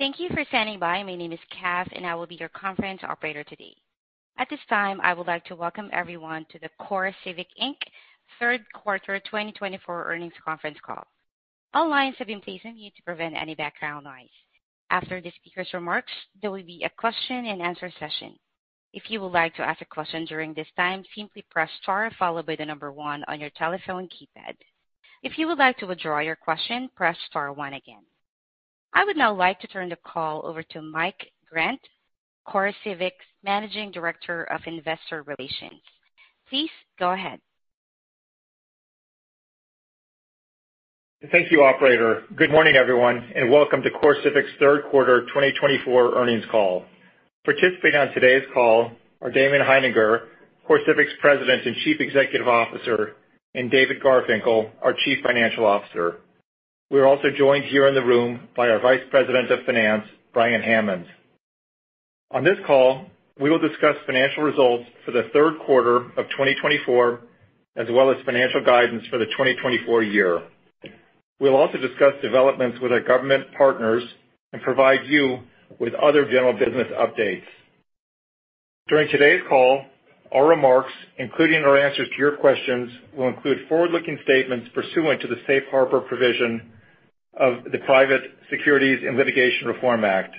Thank you for standing by. My name is Kath, and I will be your conference operator today. At this time, I would like to welcome everyone to the CoreCivic Inc. Third Quarter 2024 earnings conference call. All lines have been placed on mute to prevent any background noise. After the speaker's remarks, there will be a question-and-answer session. If you would like to ask a question during this time, simply press star followed by the number one on your telephone keypad. If you would like to withdraw your question, press star one again. I would now like to turn the call over to Mike Grant, CoreCivic's Managing Director of Investor Relations. Please go ahead. Thank you, Operator. Good morning, everyone, and welcome to CoreCivic's Third Quarter 2024 earnings call. Participating on today's call are Damon Hininger, CoreCivic's President and Chief Executive Officer, and David Garfinkle, our Chief Financial Officer. We are also joined here in the room by our Vice President of Finance, Brian Hammonds. On this call, we will discuss financial results for the third quarter of 2024, as well as financial guidance for the 2024 year. We'll also discuss developments with our government partners and provide you with other general business updates. During today's call, our remarks, including our answers to your questions, will include forward-looking statements pursuant to the Safe Harbor provision of the Private Securities and Litigation Reform Act.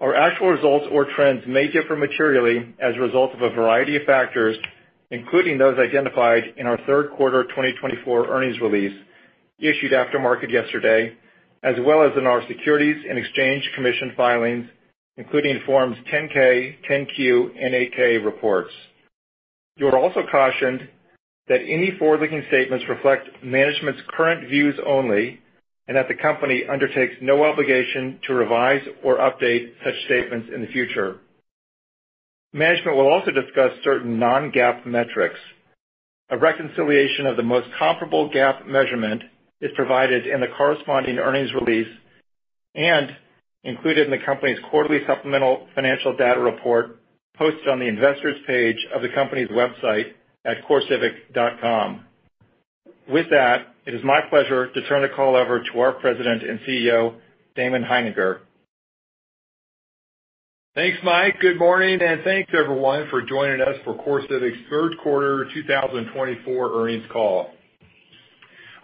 Our actual results or trends may differ materially as a result of a variety of factors, including those identified in our Third Quarter 2024 earnings release issued after market yesterday, as well as in our Securities and Exchange Commission filings, including Forms 10-K, 10-Q, and 8-K reports. You are also cautioned that any forward-looking statements reflect management's current views only and that the company undertakes no obligation to revise or update such statements in the future. Management will also discuss certain non-GAAP metrics. A reconciliation of the most comparable GAAP measurement is provided in the corresponding earnings release and included in the company's quarterly supplemental financial data report posted on the investors' page of the company's website at CoreCivic.com. With that, it is my pleasure to turn the call over to our President and CEO, Damon Hininger. Thanks, Mike. Good morning, and thanks, everyone, for joining us for CoreCivic's Third Quarter 2024 earnings call.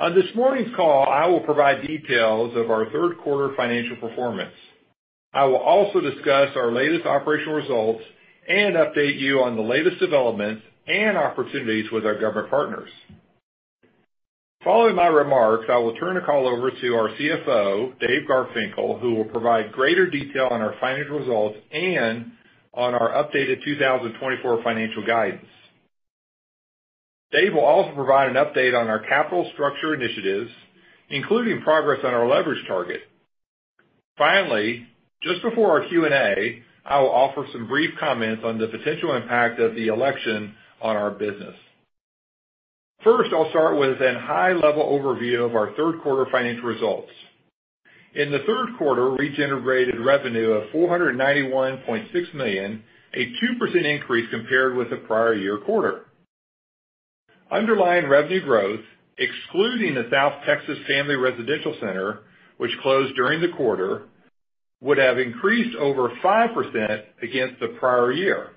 On this morning's call, I will provide details of our third quarter financial performance. I will also discuss our latest operational results and update you on the latest developments and opportunities with our government partners. Following my remarks, I will turn the call over to our CFO, Dave Garfinkle, who will provide greater detail on our financial results and on our updated 2024 financial guidance. Dave will also provide an update on our capital structure initiatives, including progress on our leverage target. Finally, just before our Q&A, I will offer some brief comments on the potential impact of the election on our business. First, I'll start with a high-level overview of our third quarter financial results. In the third quarter, we generated revenue of $491.6 million, a 2% increase compared with the prior year quarter. Underlying revenue growth, excluding the South Texas Family Residential Center, which closed during the quarter, would have increased over 5% against the prior year.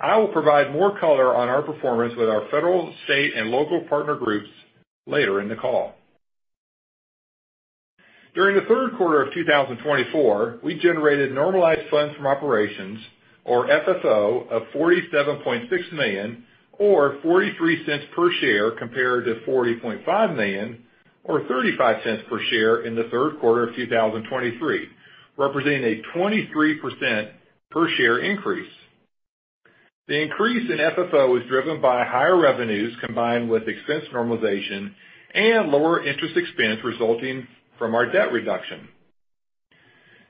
I will provide more color on our performance with our federal, state, and local partner groups later in the call. During the third quarter of 2024, we generated normalized funds from operations, or FFO, of $47.6 million, or $0.43 per share compared to $40.5 million, or $0.35 per share in the third quarter of 2023, representing a 23% per share increase. The increase in FFO was driven by higher revenues combined with expense normalization and lower interest expense resulting from our debt reduction.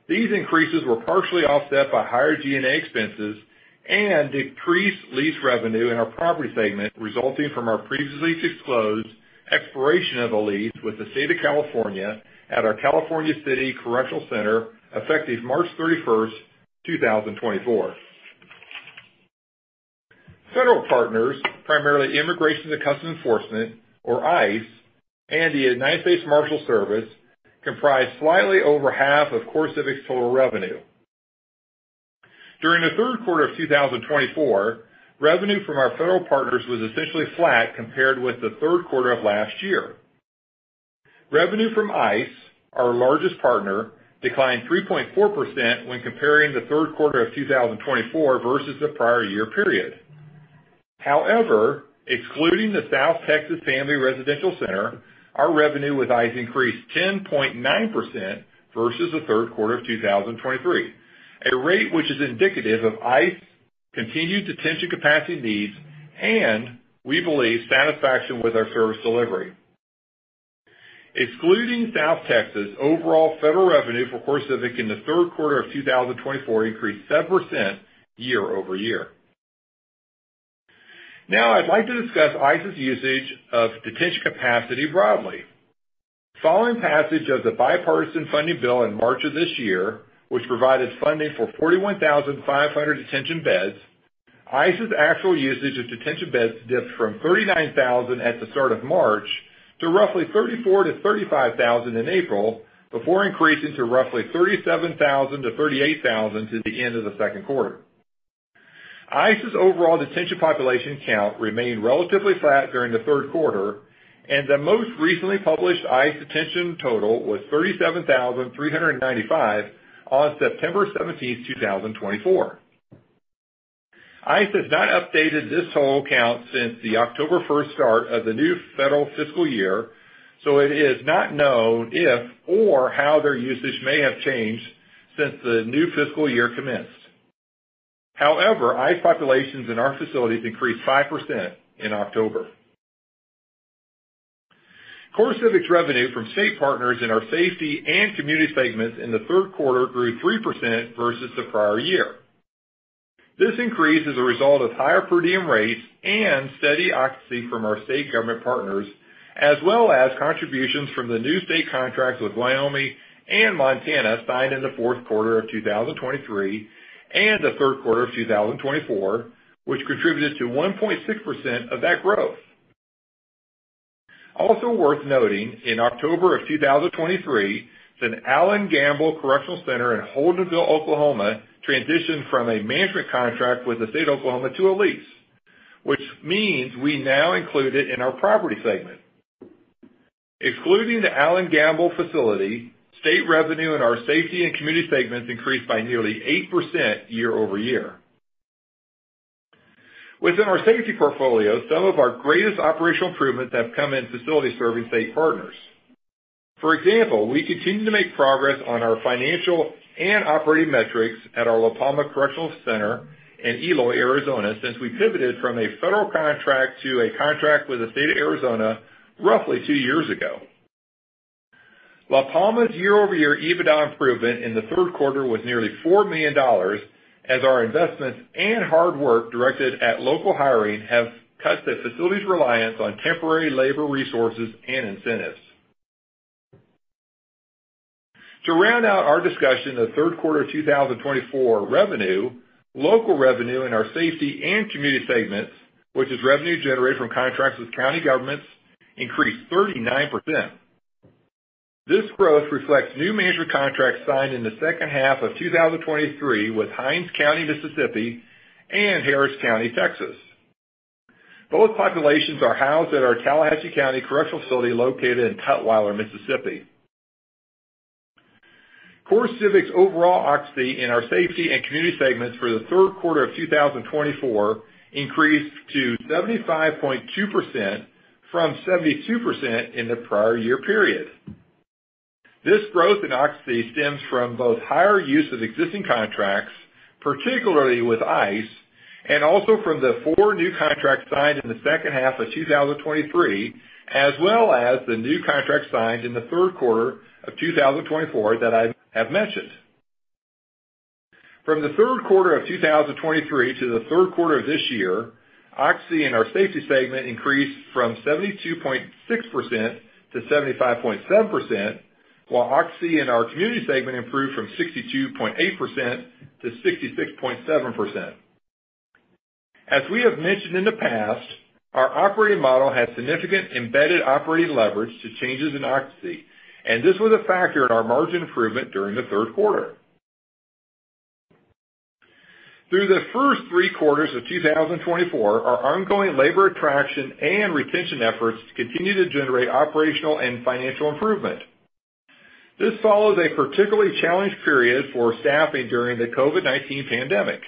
These increases were partially offset by higher G&A expenses and decreased lease revenue in our Property segment resulting from our previously disclosed expiration of the lease with the state of California at our California City Correctional Center effective March 31st, 2024. Federal partners, primarily Immigration and Customs Enforcement, or ICE, and the United States Marshals Service, comprise slightly over half of CoreCivic's total revenue. During the third quarter of 2024, revenue from our federal partners was essentially flat compared with the third quarter of last year. Revenue from ICE, our largest partner, declined 3.4% when comparing the third quarter of 2024 versus the prior year period. However, excluding the South Texas Family Residential Center, our revenue with ICE increased 10.9% versus the third quarter of 2023, a rate which is indicative of ICE's continued detention capacity needs and, we believe, satisfaction with our service delivery. Excluding South Texas, overall federal revenue for CoreCivic in the third quarter of 2024 increased 7% year-over-year. Now, I'd like to discuss ICE's usage of detention capacity broadly. Following passage of the bipartisan funding bill in March of this year, which provided funding for 41,500 detention beds, ICE's actual usage of detention beds dipped from 39,000 at the start of March to roughly 34,000-35,000 in April, before increasing to roughly 37,000-38,000 to the end of the second quarter. ICE's overall detention population count remained relatively flat during the third quarter, and the most recently published ICE detention total was 37,395 on September 17th, 2024. ICE has not updated this total count since the October 1st start of the new federal fiscal year, so it is not known if or how their usage may have changed since the new fiscal year commenced. However, ICE populations in our facilities increased 5% in October. CoreCivic's revenue from state partners in our Safety and Community segments in the third quarter grew 3% versus the prior year. This increase is a result of higher per diem rates and steady occupancy from our state government partners, as well as contributions from the new state contracts with Wyoming and Montana signed in the fourth quarter of 2023 and the third quarter of 2024, which contributed to 1.6% of that growth. Also worth noting, in October of 2023, the Allen Gamble Correctional Center in Holdenville, Oklahoma, transitioned from a management contract with the state of Oklahoma to a lease, which means we now include it in our Property segment. Excluding the Allen Gamble facility, state revenue in our Safety and Community segments increased by nearly 8% year-over-year. Within our Safety portfolio, some of our greatest operational improvements have come in facility-serving state partners. For example, we continue to make progress on our financial and operating metrics at our La Palma Correctional Center in Eloy, Arizona, since we pivoted from a federal contract to a contract with the state of Arizona roughly two years ago. La Palma's year-over-year EBITDA improvement in the third quarter was nearly $4 million, as our investments and hard work directed at local hiring have cut the facility's reliance on temporary labor resources and incentives. To round out our discussion of third quarter 2024 revenue, local revenue in our Safety and Community segments, which is revenue generated from contracts with county governments, increased 39%. This growth reflects new management contracts signed in the second half of 2023 with Hinds County, Mississippi, and Harris County, Texas. Both populations are housed at our Tallahatchie County Correctional Facility located in Tutwiler, Mississippi. CoreCivic's overall occupancy in our Safety and Community segments for the third quarter of 2024 increased to 75.2% from 72% in the prior year period. This growth in occupancy stems from both higher use of existing contracts, particularly with ICE, and also from the four new contracts signed in the second half of 2023, as well as the new contracts signed in the third quarter of 2024 that I have mentioned. From the third quarter of 2023 to the third quarter of this year, occupancy in our Safety segment increased from 72.6%-75.7%, while occupancy in our Community segment improved from 62.8%-66.7%. As we have mentioned in the past, our operating model has significant embedded operating leverage to changes in occupancy, and this was a factor in our margin improvement during the third quarter. Through the first three quarters of 2024, our ongoing labor attraction and retention efforts continue to generate operational and financial improvement. This follows a particularly challenged period for staffing during the COVID-19 pandemic.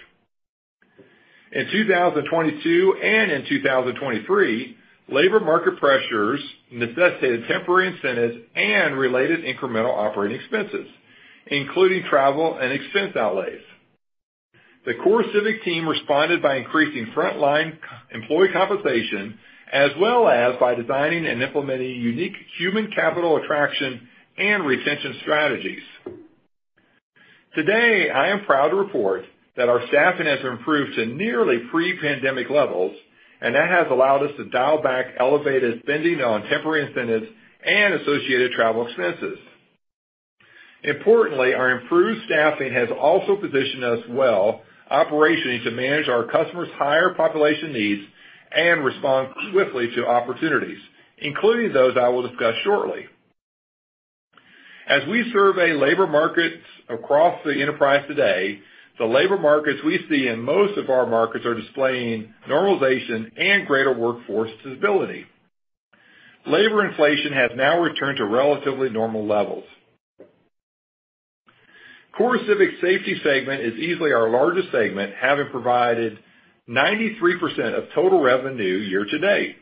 In 2022 and in 2023, labor market pressures necessitated temporary incentives and related incremental operating expenses, including travel and expense outlays. The CoreCivic team responded by increasing frontline employee compensation, as well as by designing and implementing unique human capital attraction and retention strategies. Today, I am proud to report that our staffing has improved to nearly pre-pandemic levels, and that has allowed us to dial back elevated spending on temporary incentives and associated travel expenses. Importantly, our improved staffing has also positioned us well operationally to manage our customers' higher population needs and respond swiftly to opportunities, including those I will discuss shortly. As we survey labor markets across the enterprise today, the labor markets we see in most of our markets are displaying normalization and greater workforce stability. Labor inflation has now returned to relatively normal levels. CoreCivic's Safety segment is easily our largest segment, having provided 93% of total revenue year to date,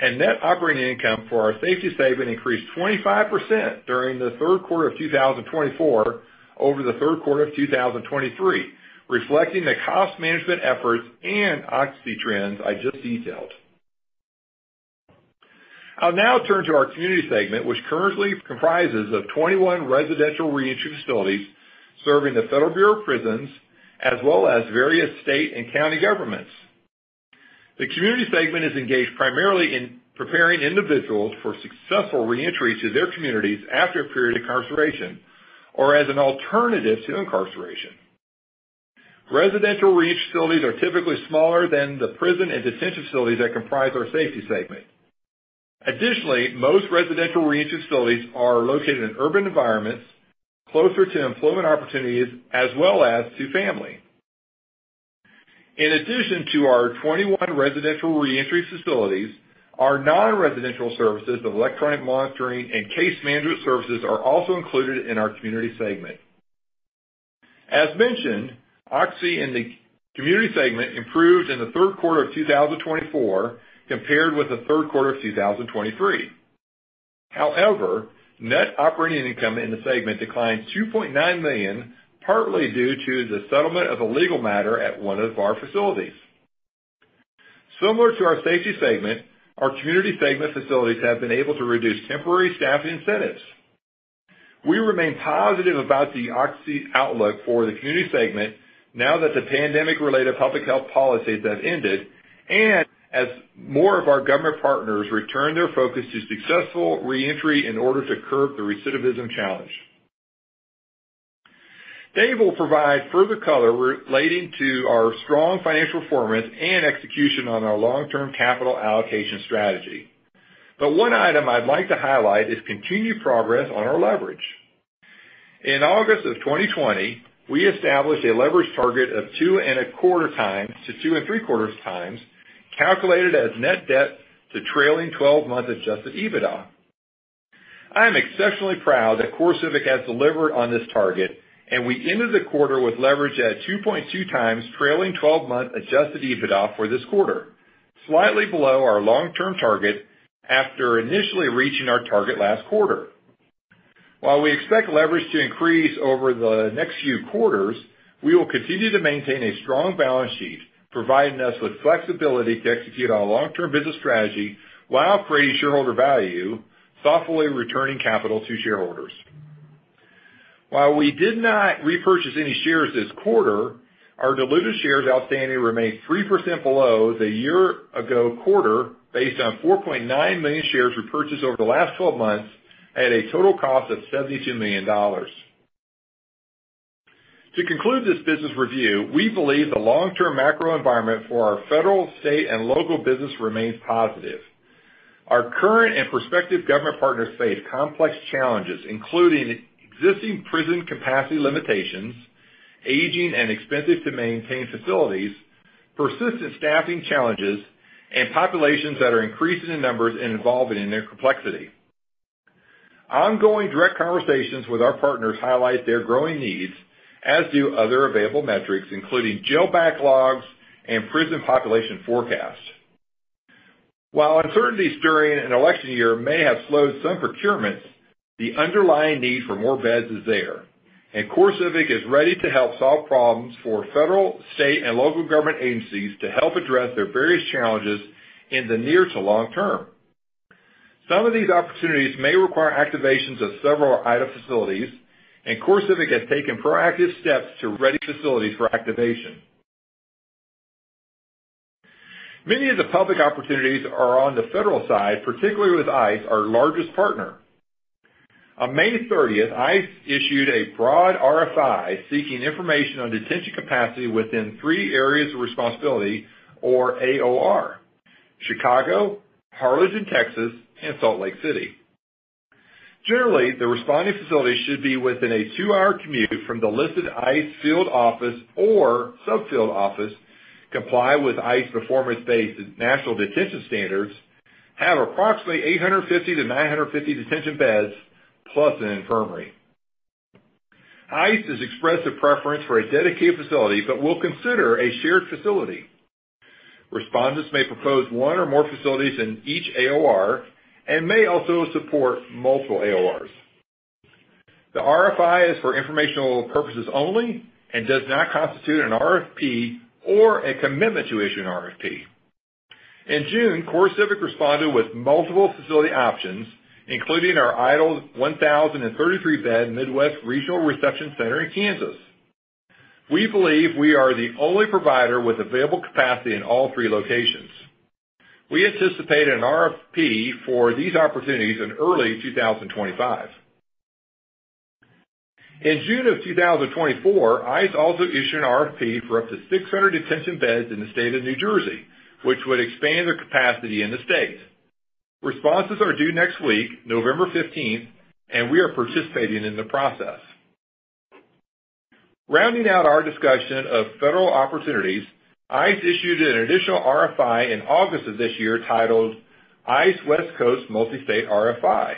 and net operating income for our Safety segment increased 25% during the third quarter of 2024 over the third quarter of 2023, reflecting the cost management efforts and occupancy trends I just detailed. I'll now turn to our Community segment, which currently comprises 21 residential reentry facilities serving the Federal Bureau of Prisons, as well as various state and county governments. The Community segment is engaged primarily in preparing individuals for successful reentry to their communities after a period of incarceration or as an alternative to incarceration. Residential reentry facilities are typically smaller than the prison and detention facilities that comprise our Safety segment. Additionally, most residential reentry facilities are located in urban environments closer to employment opportunities, as well as to family. In addition to our 21 residential reentry facilities, our non-residential services of electronic monitoring and case management services are also included in our Community segment. As mentioned, occupancy in the Community segment improved in the third quarter of 2024 compared with the third quarter of 2023. However, net operating income in the segment declined $2.9 million, partly due to the settlement of a legal matter at one of our facilities. Similar to our Safety segment, our Community segment facilities have been able to reduce temporary staffing incentives. We remain positive about the occupancy outlook for the Community segment now that the pandemic-related public health policies have ended and as more of our government partners return their focus to successful reentry in order to curb the recidivism challenge. Dave will provide further color relating to our strong financial performance and execution on our long-term capital allocation strategy. But one item I'd like to highlight is continued progress on our leverage. In August of 2020, we established a leverage target of two and a quarter times to two and three quarters times, calculated as net debt to trailing 12-month adjusted EBITDA. I am exceptionally proud that CoreCivic has delivered on this target, and we ended the quarter with leverage at 2.2 times trailing 12-month adjusted EBITDA for this quarter, slightly below our long-term target after initially reaching our target last quarter. While we expect leverage to increase over the next few quarters, we will continue to maintain a strong balance sheet, providing us with flexibility to execute our long-term business strategy while creating shareholder value, thoughtfully returning capital to shareholders. While we did not repurchase any shares this quarter, our diluted shares outstanding remained 3% below the year-ago quarter, based on 4.9 million shares repurchased over the last 12 months at a total cost of $72 million. To conclude this business review, we believe the long-term macro environment for our federal, state, and local business remains positive. Our current and prospective government partners face complex challenges, including existing prison capacity limitations, aging and expensive-to-maintain facilities, persistent staffing challenges, and populations that are increasing in numbers and evolving in their complexity. Ongoing direct conversations with our partners highlight their growing needs, as do other available metrics, including jail backlogs and prison population forecasts. While uncertainties during an election year may have slowed some procurements, the underlying need for more beds is there, and CoreCivic is ready to help solve problems for federal, state, and local government agencies to help address their various challenges in the near to long term. Some of these opportunities may require activations of several idle facilities, and CoreCivic has taken proactive steps to ready facilities for activation. Many of the public opportunities are on the federal side, particularly with ICE, our largest partner. On May 30th, ICE issued a broad RFI seeking information on detention capacity within three areas of responsibility, or AOR: Chicago, Harlingen, Texas, and Salt Lake City. Generally, the responding facilities should be within a two-hour commute from the listed ICE field office or subfield office, comply with ICE performance-based national detention standards, have approximately 850-950 detention beds, plus an infirmary. ICE has expressed a preference for a dedicated facility but will consider a shared facility. Respondents may propose one or more facilities in each AOR and may also support multiple AORs. The RFI is for informational purposes only and does not constitute an RFP or a commitment to issue an RFP. In June, CoreCivic responded with multiple facility options, including our idle 1,033-bed Midwest Regional Reception Center in Kansas. We believe we are the only provider with available capacity in all three locations. We anticipate an RFP for these opportunities in early 2025. In June of 2024, ICE also issued an RFP for up to 600 detention beds in the state of New Jersey, which would expand their capacity in the state. Responses are due next week, November 15th, and we are participating in the process. Rounding out our discussion of federal opportunities, ICE issued an additional RFI in August of this year titled ICE West Coast Multi-State RFI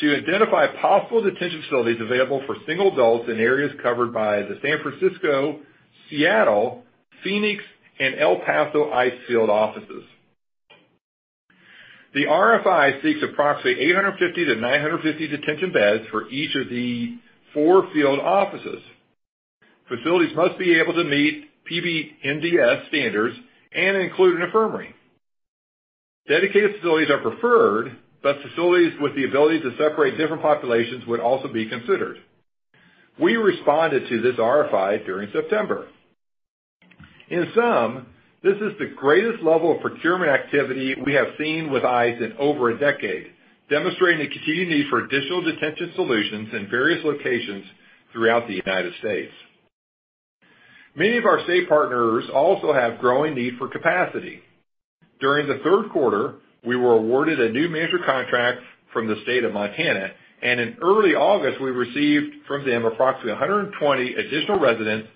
to identify possible detention facilities available for single adults in areas covered by the San Francisco, Seattle, Phoenix, and El Paso ICE field offices. The RFI seeks approximately 850-950 detention beds for each of the four field offices. Facilities must be able to meet PBNDS standards and include an infirmary. Dedicated facilities are preferred, but facilities with the ability to separate different populations would also be considered. We responded to this RFI during September. In sum, this is the greatest level of procurement activity we have seen with ICE in over a decade, demonstrating the continued need for additional detention solutions in various locations throughout the United States. Many of our state partners also have growing need for capacity. During the third quarter, we were awarded a new management contract from the state of Montana, and in early August, we received from them approximately 120 additional residents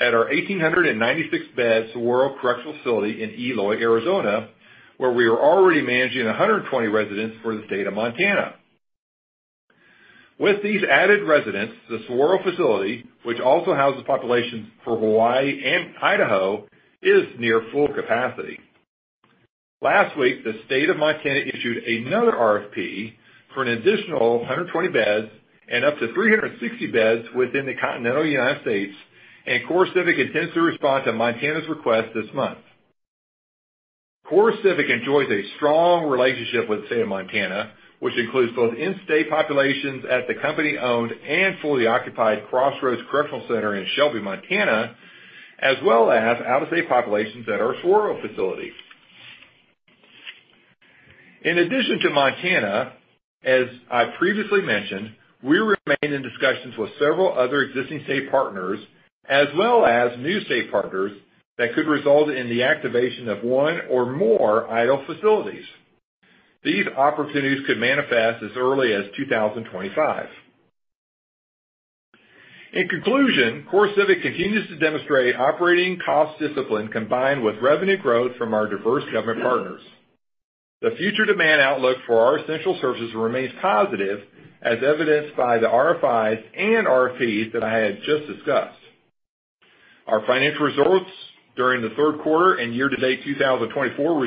at our 1,896-bed Saguaro Correctional Facility in Eloy, Arizona, where we are already managing 120 residents for the state of Montana. With these added residents, the Saguaro Facility, which also houses populations for Hawaii and Idaho, is near full capacity. Last week, the state of Montana issued another RFP for an additional 120 beds and up to 360 beds within the continental United States, and CoreCivic intends to respond to Montana's request this month. CoreCivic enjoys a strong relationship with the state of Montana, which includes both in-state populations at the company-owned and fully occupied Crossroads Correctional Center in Shelby, Montana, as well as out-of-state populations at our Saguaro Correctional Facility. In addition to Montana, as I previously mentioned, we remain in discussions with several other existing state partners, as well as new state partners that could result in the activation of one or more idle facilities. These opportunities could manifest as early as 2025. In conclusion, CoreCivic continues to demonstrate operating cost discipline combined with revenue growth from our diverse government partners. The future demand outlook for our essential services remains positive, as evidenced by the RFIs and RFPs that I have just discussed. Our financial results during the third quarter and year-to-date 2024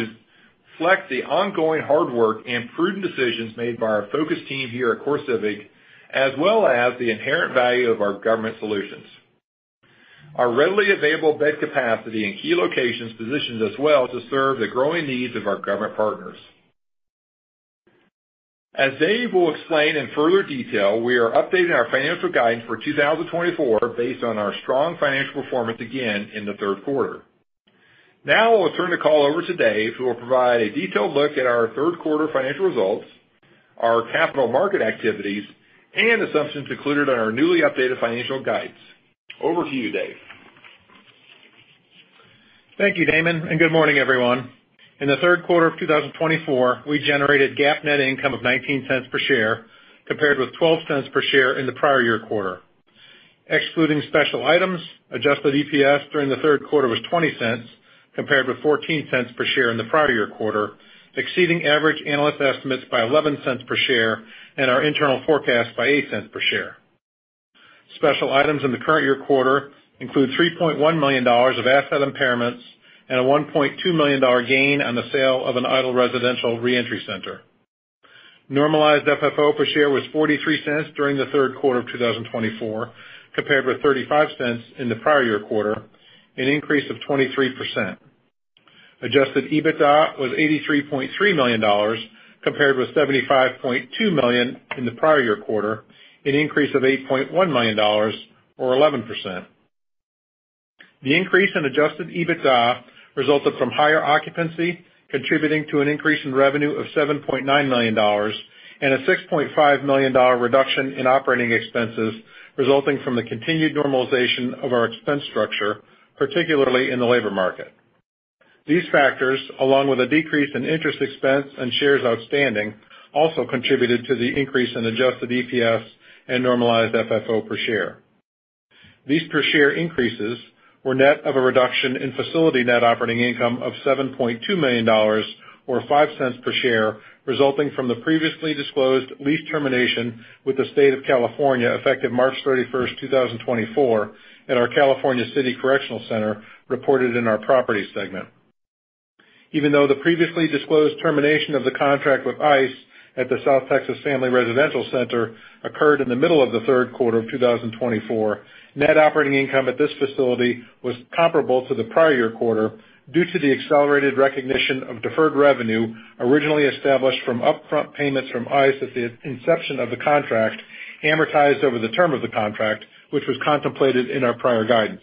reflect the ongoing hard work and prudent decisions made by our focus team here at CoreCivic, as well as the inherent value of our government solutions. Our readily available bed capacity in key locations positions us well to serve the growing needs of our government partners. As Dave will explain in further detail, we are updating our financial guidance for 2024 based on our strong financial performance again in the third quarter. Now, I'll turn the call over to Dave, who will provide a detailed look at our third quarter financial results, our capital market activities, and assumptions included on our newly updated financial guidance. Over to you, Dave. Thank you, Damon, and good morning, everyone. In the third quarter of 2024, we generated GAAP net income of $0.19 per share compared with $0.12 per share in the prior year quarter. Excluding special items, adjusted EPS during the third quarter was $0.20 compared with $0.14 per share in the prior year quarter, exceeding average analyst estimates by $0.11 per share and our internal forecast by $0.08 per share. Special items in the current year quarter include $3.1 million of asset impairments and a $1.2 million gain on the sale of an idle residential reentry center. Normalized FFO per share was $0.43 during the third quarter of 2024 compared with $0.35 in the prior year quarter, an increase of 23%. Adjusted EBITDA was $83.3 million compared with $75.2 million in the prior year quarter, an increase of $8.1 million, or 11%. The increase in adjusted EBITDA resulted from higher occupancy, contributing to an increase in revenue of $7.9 million and a $6.5 million reduction in operating expenses resulting from the continued normalization of our expense structure, particularly in the labor market. These factors, along with a decrease in interest expense and shares outstanding, also contributed to the increase in adjusted EPS and normalized FFO per share. These per share increases were net of a reduction in facility net operating income of $7.2 million, or $0.05 per share, resulting from the previously disclosed lease termination with the state of California effective March 31st, 2024, at our California City Correctional Center reported in our Property segment. Even though the previously disclosed termination of the contract with ICE at the South Texas Family Residential Center occurred in the middle of the third quarter of 2024, net operating income at this facility was comparable to the prior year quarter due to the accelerated recognition of deferred revenue originally established from upfront payments from ICE at the inception of the contract amortized over the term of the contract, which was contemplated in our prior guidance.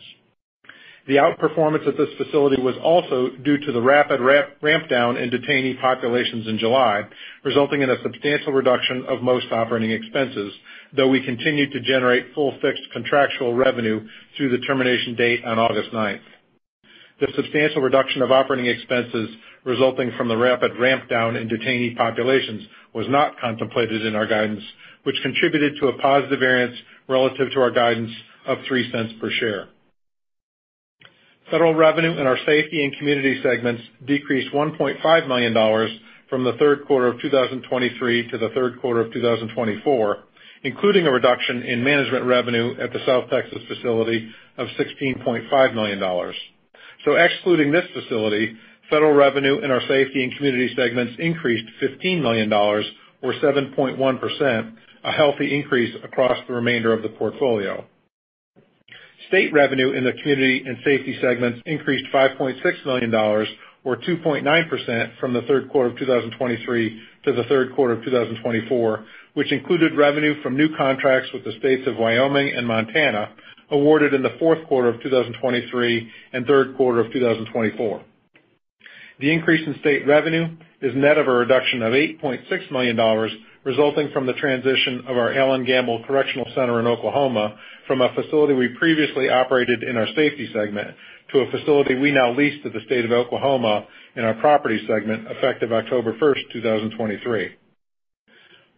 The outperformance at this facility was also due to the rapid ramp-down in detainee populations in July, resulting in a substantial reduction of most operating expenses, though we continued to generate full fixed contractual revenue through the termination date on August 9th. The substantial reduction of operating expenses resulting from the rapid ramp-down in detainee populations was not contemplated in our guidance, which contributed to a positive variance relative to our guidance of $0.03 per share. Federal revenue in our Safety and Community segments decreased $1.5 million from the third quarter of 2023 to the third quarter of 2024, including a reduction in management revenue at the South Texas facility of $16.5 million. So excluding this facility, federal revenue in our Safety and Community segments increased $15 million, or 7.1%, a healthy increase across the remainder of the portfolio. State revenue in the community and Safety segments increased $5.6 million, or 2.9%, from the third quarter of 2023 to the third quarter of 2024, which included revenue from new contracts with the states of Wyoming and Montana awarded in the fourth quarter of 2023 and third quarter of 2024. The increase in state revenue is net of a reduction of $8.6 million, resulting from the transition of our Allen Gamble Correctional Center in Oklahoma from a facility we previously operated in our Safety segment to a facility we now lease to the state of Oklahoma in our Property segment effective October 1st, 2023.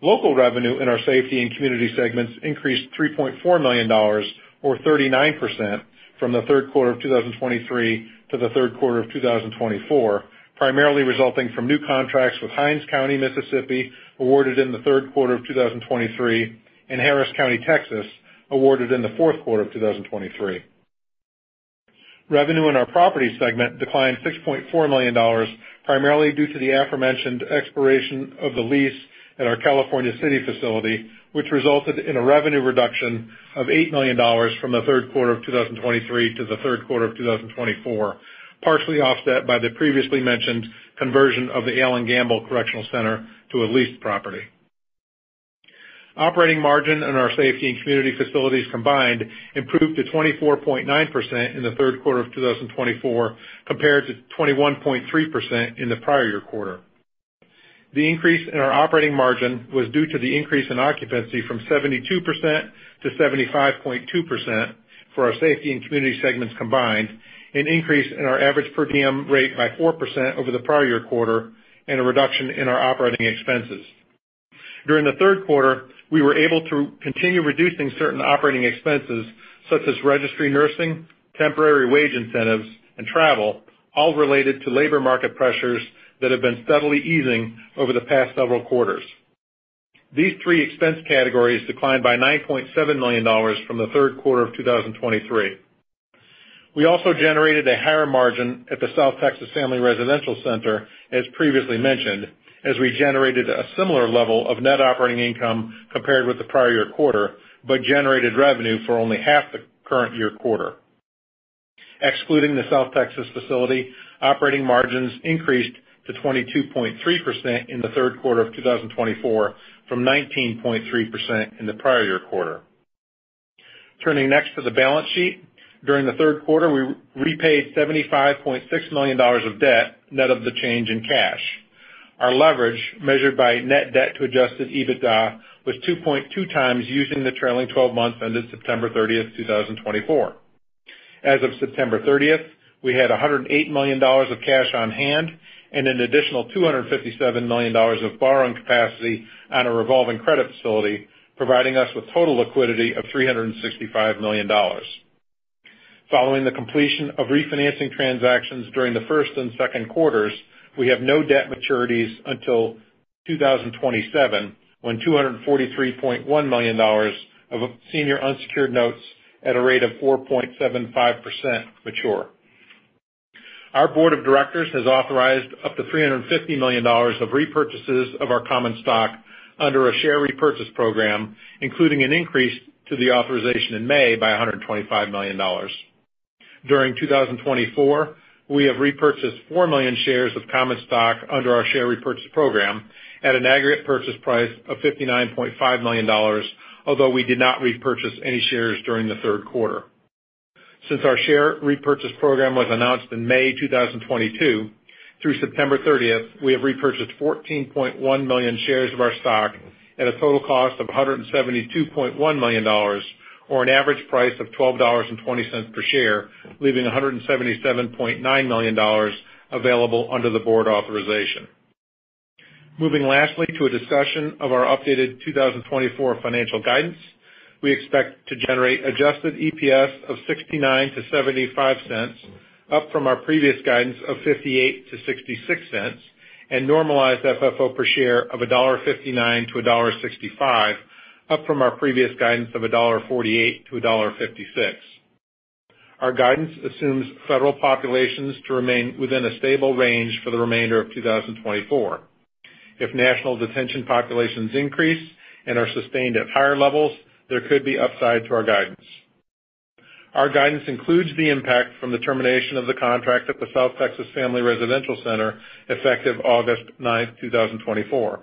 Local revenue in our Safety and Community segments increased $3.4 million, or 39%, from the third quarter of 2023 to the third quarter of 2024, primarily resulting from new contracts with Hinds County, Mississippi, awarded in the third quarter of 2023, and Harris County, Texas, awarded in the fourth quarter of 2023. Revenue in our Property segment declined $6.4 million, primarily due to the aforementioned expiration of the lease at our California City facility, which resulted in a revenue reduction of $8 million from the third quarter of 2023 to the third quarter of 2024, partially offset by the previously mentioned conversion of the Allen Gamble Correctional Center to a leased property. Operating margin in our safety and community facilities combined improved to 24.9% in the third quarter of 2024 compared to 21.3% in the prior year quarter. The increase in our operating margin was due to the increase in occupancy from 72%-75.2% for our Safety and Community segments combined, an increase in our average per diem rate by 4% over the prior year quarter, and a reduction in our operating expenses. During the third quarter, we were able to continue reducing certain operating expenses such as registry nursing, temporary wage incentives, and travel, all related to labor market pressures that have been steadily easing over the past several quarters. These three expense categories declined by $9.7 million from the third quarter of 2023. We also generated a higher margin at the South Texas Family Residential Center, as previously mentioned, as we generated a similar level of net operating income compared with the prior year quarter, but generated revenue for only half the current year quarter. Excluding the South Texas facility, operating margins increased to 22.3% in the third quarter of 2024 from 19.3% in the prior year quarter. Turning next to the balance sheet, during the third quarter, we repaid $75.6 million of debt net of the change in cash. Our leverage, measured by net debt to adjusted EBITDA, was 2.2 times using the trailing 12 months ended September 30th, 2024. As of September 30th, we had $108 million of cash on hand and an additional $257 million of borrowing capacity on a revolving credit facility, providing us with total liquidity of $365 million. Following the completion of refinancing transactions during the first and second quarters, we have no debt maturities until 2027 when $243.1 million of senior unsecured notes at a rate of 4.75% mature. Our board of directors has authorized up to $350 million of repurchases of our common stock under a share repurchase program, including an increase to the authorization in May by $125 million. During 2024, we have repurchased four million shares of common stock under our share repurchase program at an aggregate purchase price of $59.5 million, although we did not repurchase any shares during the third quarter. Since our share repurchase program was announced in May 2022, through September 30th, we have repurchased 14.1 million shares of our stock at a total cost of $172.1 million, or an average price of $12.20 per share, leaving $177.9 million available under the board authorization. Moving lastly to a discussion of our updated 2024 financial guidance, we expect to generate adjusted EPS of $0.69-$0.75, up from our previous guidance of $0.58-$0.66, and normalized FFO per share of $1.59-$1.65, up from our previous guidance of $1.48-$1.56. Our guidance assumes federal populations to remain within a stable range for the remainder of 2024. If national detention populations increase and are sustained at higher levels, there could be upside to our guidance. Our guidance includes the impact from the termination of the contract at the South Texas Family Residential Center effective August 9th, 2024.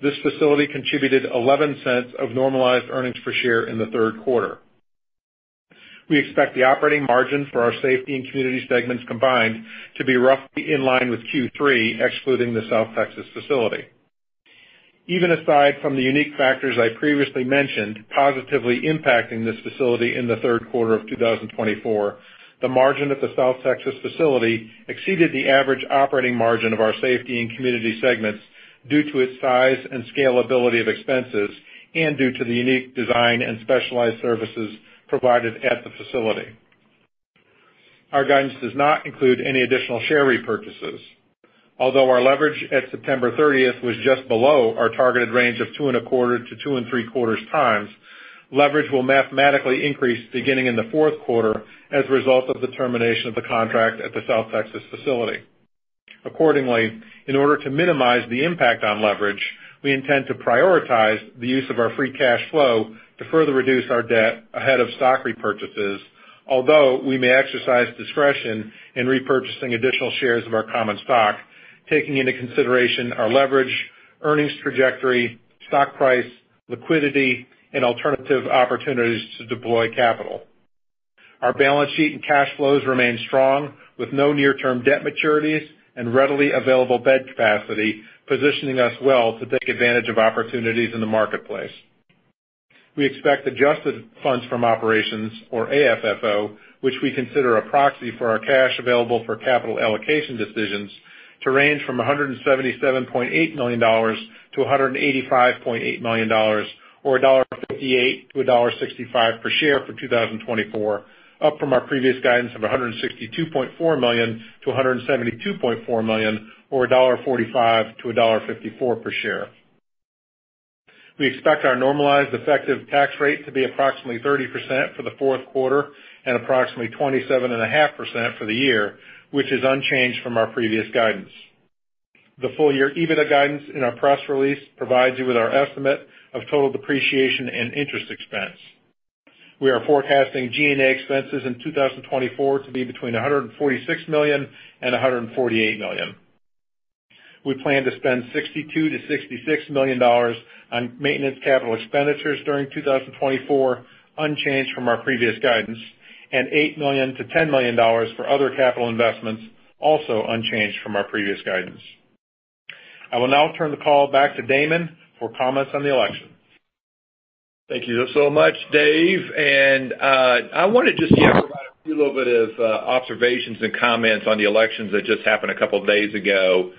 This facility contributed $0.11 of normalized earnings per share in the third quarter. We expect the operating margin for our Safety and Community segments combined to be roughly in line with Q3, excluding the South Texas facility. Even aside from the unique factors I previously mentioned positively impacting this facility in the third quarter of 2024, the margin at the South Texas facility exceeded the average operating margin of our Safety and Community segments due to its size and scalability of expenses and due to the unique design and specialized services provided at the facility. Our guidance does not include any additional share repurchases. Although our leverage at September 30th was just below our targeted range of two and a quarter to two and three quarters times, leverage will mathematically increase beginning in the fourth quarter as a result of the termination of the contract at the South Texas facility. Accordingly, in order to minimize the impact on leverage, we intend to prioritize the use of our free cash flow to further reduce our debt ahead of stock repurchases, although we may exercise discretion in repurchasing additional shares of our common stock, taking into consideration our leverage, earnings trajectory, stock price, liquidity, and alternative opportunities to deploy capital. Our balance sheet and cash flows remain strong with no near-term debt maturities and readily available bed capacity, positioning us well to take advantage of opportunities in the marketplace. We expect adjusted funds from operations, or AFFO, which we consider a proxy for our cash available for capital allocation decisions, to range from $177.8 million-$185.8 million, or $1.58-$1.65 per share for 2024, up from our previous guidance of $162.4 million-$172.4 million, or $1.45-$1.54 per share. We expect our normalized effective tax rate to be approximately 30% for the fourth quarter and approximately 27.5% for the year, which is unchanged from our previous guidance. The full-year EBITDA guidance in our press release provides you with our estimate of total depreciation and interest expense. We are forecasting G&A expenses in 2024 to be between $146 million and $148 million. We plan to spend $62 million-$66 million on maintenance capital expenditures during 2024, unchanged from our previous guidance, and $8 million-$10 million for other capital investments, also unchanged from our previous guidance. I will now turn the call back to Damon for comments on the election. Thank you so much, Dave. And I wanted just to provide a few little bit of observations and comments on the elections that just happened a couple of days ago.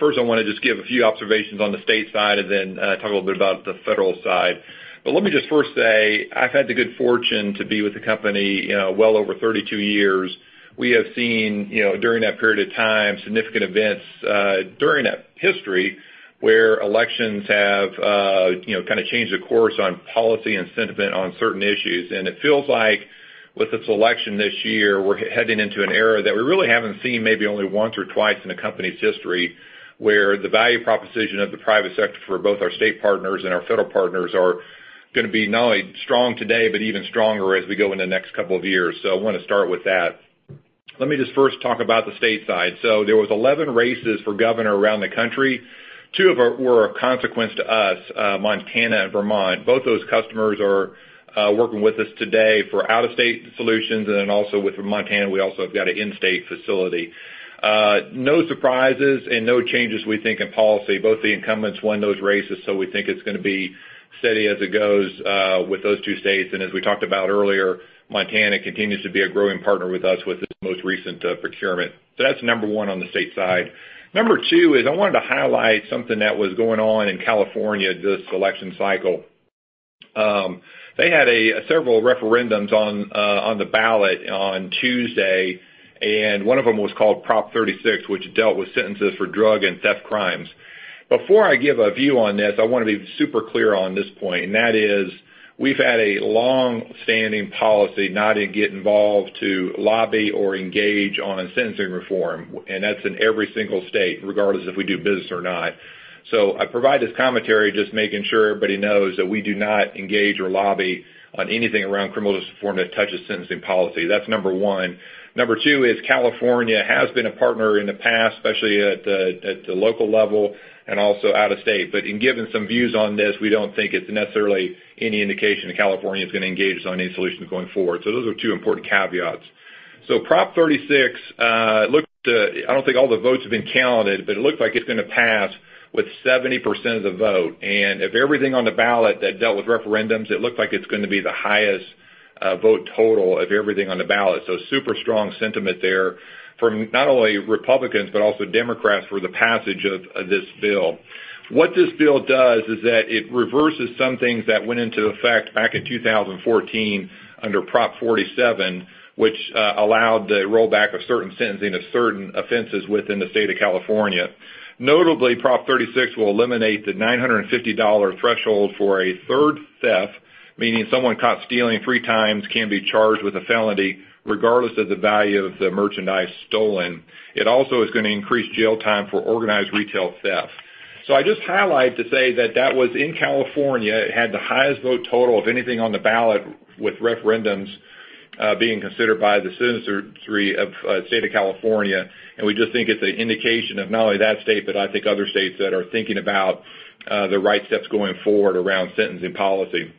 First, I want to just give a few observations on the state side and then talk a little bit about the federal side. But let me just first say, I've had the good fortune to be with the company well over 32 years. We have seen during that period of time significant events during that history where elections have kind of changed the course on policy and sentiment on certain issues. And it feels like with this election this year, we're heading into an era that we really haven't seen maybe only once or twice in a company's history where the value proposition of the private sector for both our state partners and our federal partners are going to be not only strong today, but even stronger as we go into the next couple of years. So I want to start with that. Let me just first talk about the state side. So there were 11 races for governor around the country. Two of them were a consequence to us, Montana and Vermont. Both those customers are working with us today for out-of-state solutions, and then also with Montana, we also have got an in-state facility. No surprises and no changes, we think, in policy. Both the incumbents won those races, so we think it's going to be steady as it goes with those two states, and as we talked about earlier, Montana continues to be a growing partner with us with the most recent procurement, so that's number one on the state side. Number two is I wanted to highlight something that was going on in California this election cycle. They had several referendums on the ballot on Tuesday, and one of them was called Prop 36, which dealt with sentences for drug and theft crimes. Before I give a view on this, I want to be super clear on this point, and that is we've had a long-standing policy not to get involved to lobby or engage on sentencing reform, and that's in every single state, regardless if we do business or not. So I provide this commentary just making sure everybody knows that we do not engage or lobby on anything around criminal justice reform that touches sentencing policy. That's number one. Number two is California has been a partner in the past, especially at the local level and also out of state. But in giving some views on this, we don't think it's necessarily any indication that California is going to engage on any solutions going forward. Those are two important caveats. Prop 36 looked to, I don't think all the votes have been counted, but it looked like it's going to pass with 70% of the vote. And of everything on the ballot that dealt with referendums, it looked like it's going to be the highest vote total of everything on the ballot. So super strong sentiment there from not only Republicans but also Democrats for the passage of this bill. What this bill does is that it reverses some things that went into effect back in 2014 under Prop 47, which allowed the rollback of certain sentencing of certain offenses within the state of California. Notably, Prop 36 will eliminate the $950 threshold for a third theft, meaning someone caught stealing three times can be charged with a felony regardless of the value of the merchandise stolen. It also is going to increase jail time for organized retail theft. So I just highlight to say that that was in California. It had the highest vote total of anything on the ballot with referendums being considered by the citizens of the state of California. We just think it's an indication of not only that state, but I think other states that are thinking about the right steps going forward around sentencing policy.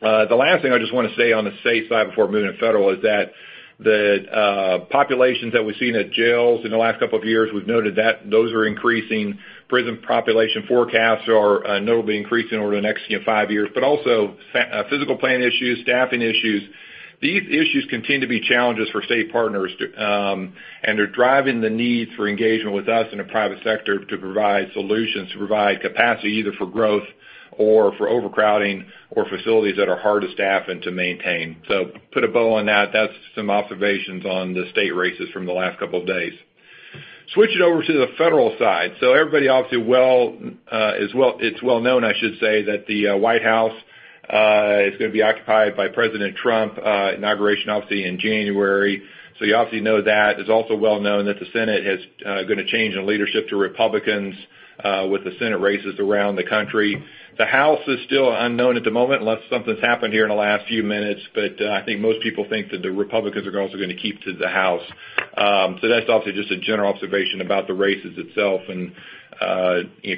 The last thing I just want to say on the state side before moving to federal is that the populations that we've seen at jails in the last couple of years, we've noted that those are increasing. Prison population forecasts are notably increasing over the next five years, but also physical plant issues, staffing issues. These issues continue to be challenges for state partners, and they're driving the need for engagement with us in the private sector to provide solutions, to provide capacity either for growth or for overcrowding or facilities that are hard to staff and to maintain. So put a bow on that. That's some observations on the state races from the last couple of days. Switching over to the federal side. Everybody obviously knows, I should say, that the White House is going to be occupied by President Trump, inauguration obviously in January. You obviously know that. It's also well known that the Senate is going to change in leadership to Republicans with the Senate races around the country. The House is still unknown at the moment, unless something's happened here in the last few minutes, but I think most people think that the Republicans are also going to keep the House. That's obviously just a general observation about the races itself and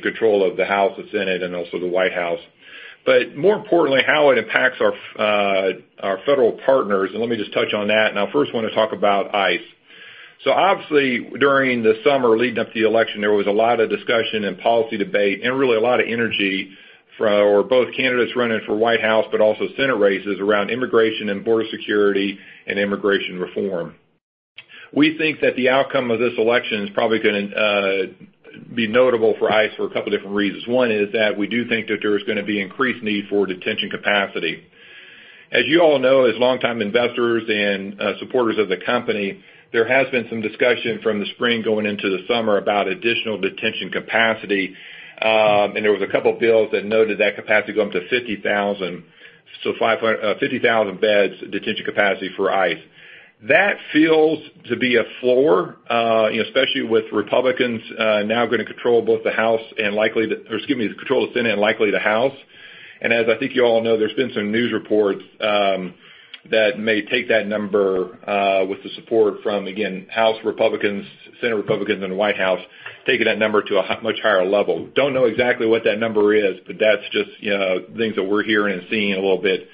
control of the House and Senate and also the White House, but more importantly, how it impacts our federal partners, and let me just touch on that. I first want to talk about ICE. So obviously, during the summer leading up to the election, there was a lot of discussion and policy debate and really a lot of energy for both candidates running for White House, but also Senate races around immigration and border security and immigration reform. We think that the outcome of this election is probably going to be notable for ICE for a couple of different reasons. One is that we do think that there is going to be increased need for detention capacity. As you all know, as long-time investors and supporters of the company, there has been some discussion from the spring going into the summer about additional detention capacity. And there was a couple of bills that noted that capacity going up to 50,000, so 50,000 beds detention capacity for ICE. That feels to be a floor, especially with Republicans now going to control both the House and likely to, or excuse me, control the Senate and likely the House. And as I think you all know, there's been some news reports that may take that number with the support from, again, House Republicans, Senate Republicans, and the White House, taking that number to a much higher level. Don't know exactly what that number is, but that's just things that we're hearing and seeing a little bit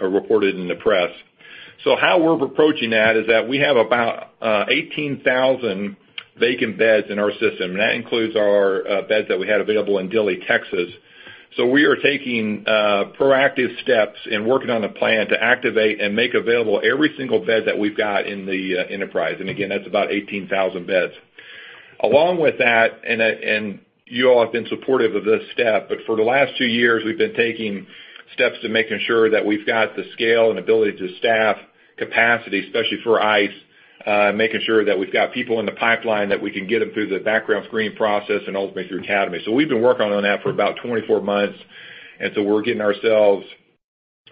reported in the press. So how we're approaching that is that we have about 18,000 vacant beds in our system, and that includes our beds that we had available in Dilley, Texas. So we are taking proactive steps and working on a plan to activate and make available every single bed that we've got in the enterprise. And again, that's about 18,000 beds. Along with that, and you all have been supportive of this step, but for the last two years, we've been taking steps to making sure that we've got the scale and ability to staff capacity, especially for ICE, making sure that we've got people in the pipeline that we can get them through the background screening process and ultimately through academy. So we've been working on that for about 24 months, and so we're getting ourselves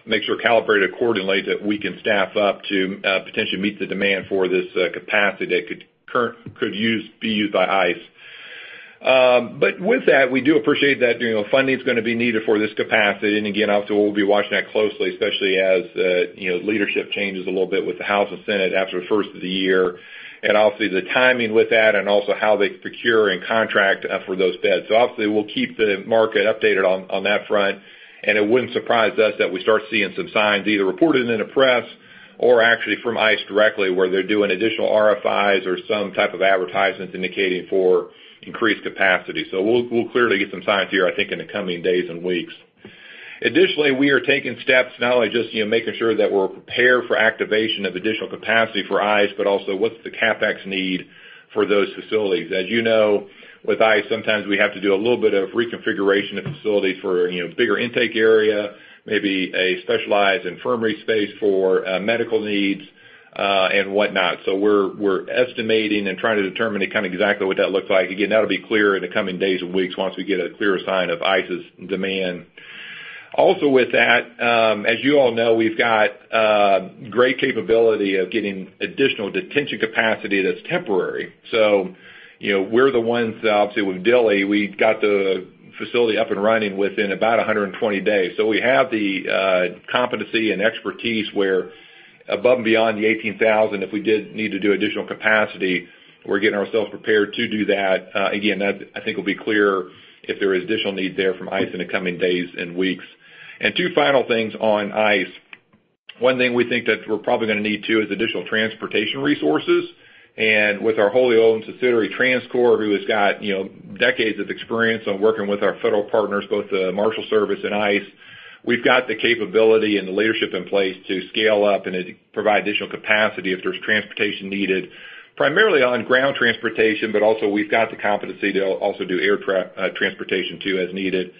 to make sure calibrated accordingly that we can staff up to potentially meet the demand for this capacity that could be used by ICE. But with that, we do appreciate that funding is going to be needed for this capacity. And again, obviously, we'll be watching that closely, especially as leadership changes a little bit with the House and Senate after the first of the year. And obviously, the timing with that and also how they procure and contract for those beds. So obviously, we'll keep the market updated on that front. And it wouldn't surprise us that we start seeing some signs either reported in the press or actually from ICE directly where they're doing additional RFIs or some type of advertisements indicating for increased capacity. So we'll clearly get some signs here, I think, in the coming days and weeks. Additionally, we are taking steps not only just making sure that we're prepared for activation of additional capacity for ICE, but also what's the CapEx need for those facilities. As you know, with ICE, sometimes we have to do a little bit of reconfiguration of facilities for a bigger intake area, maybe a specialized infirmary space for medical needs and whatnot. We're estimating and trying to determine kind of exactly what that looks like. Again, that'll be clear in the coming days and weeks once we get a clearer sign of ICE's demand. Also with that, as you all know, we've got great capability of getting additional detention capacity that's temporary. We're the ones that obviously with Dilley, we've got the facility up and running within about 120 days. We have the competency and expertise where above and beyond the 18,000, if we did need to do additional capacity, we're getting ourselves prepared to do that. Again, I think it'll be clear if there is additional need there from ICE in the coming days and weeks. Two final things on ICE. One thing we think that we're probably going to need too is additional transportation resources. And with our whole operations and subsidiary TransCor, who has got decades of experience on working with our federal partners, both the Marshals Service and ICE, we've got the capability and the leadership in place to scale up and provide additional capacity if there's transportation needed, primarily on ground transportation, but also we've got the competency to also do air transportation too as needed.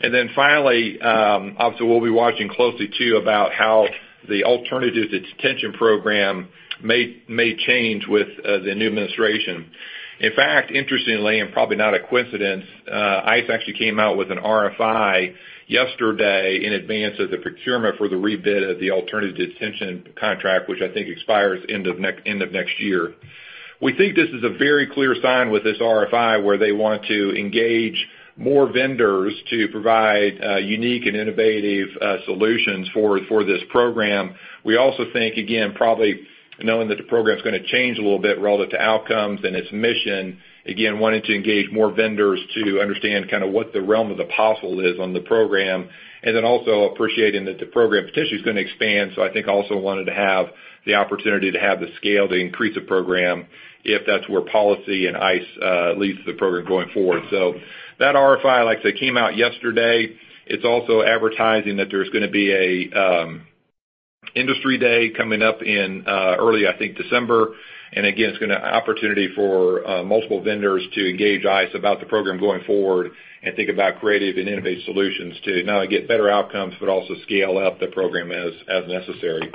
And then finally, obviously, we'll be watching closely too about how the alternative detention program may change with the new administration. In fact, interestingly, and probably not a coincidence, ICE actually came out with an RFI yesterday in advance of the procurement for the rebid of the alternative detention contract, which I think expires end of next year. We think this is a very clear sign with this RFI where they want to engage more vendors to provide unique and innovative solutions for this program. We also think, again, probably knowing that the program's going to change a little bit relative to outcomes and its mission, again, wanting to engage more vendors to understand kind of what the realm of the possible is on the program. And then also appreciating that the program potentially is going to expand. So I think also wanted to have the opportunity to have the scale to increase the program if that's where policy and ICE leads the program going forward. So that RFI, like I said, came out yesterday. It's also advertising that there's going to be an Industry Day coming up in early, I think, December. And again, it's going to be an opportunity for multiple vendors to engage ICE about the program going forward and think about creative and innovative solutions to not only get better outcomes, but also scale up the program as necessary.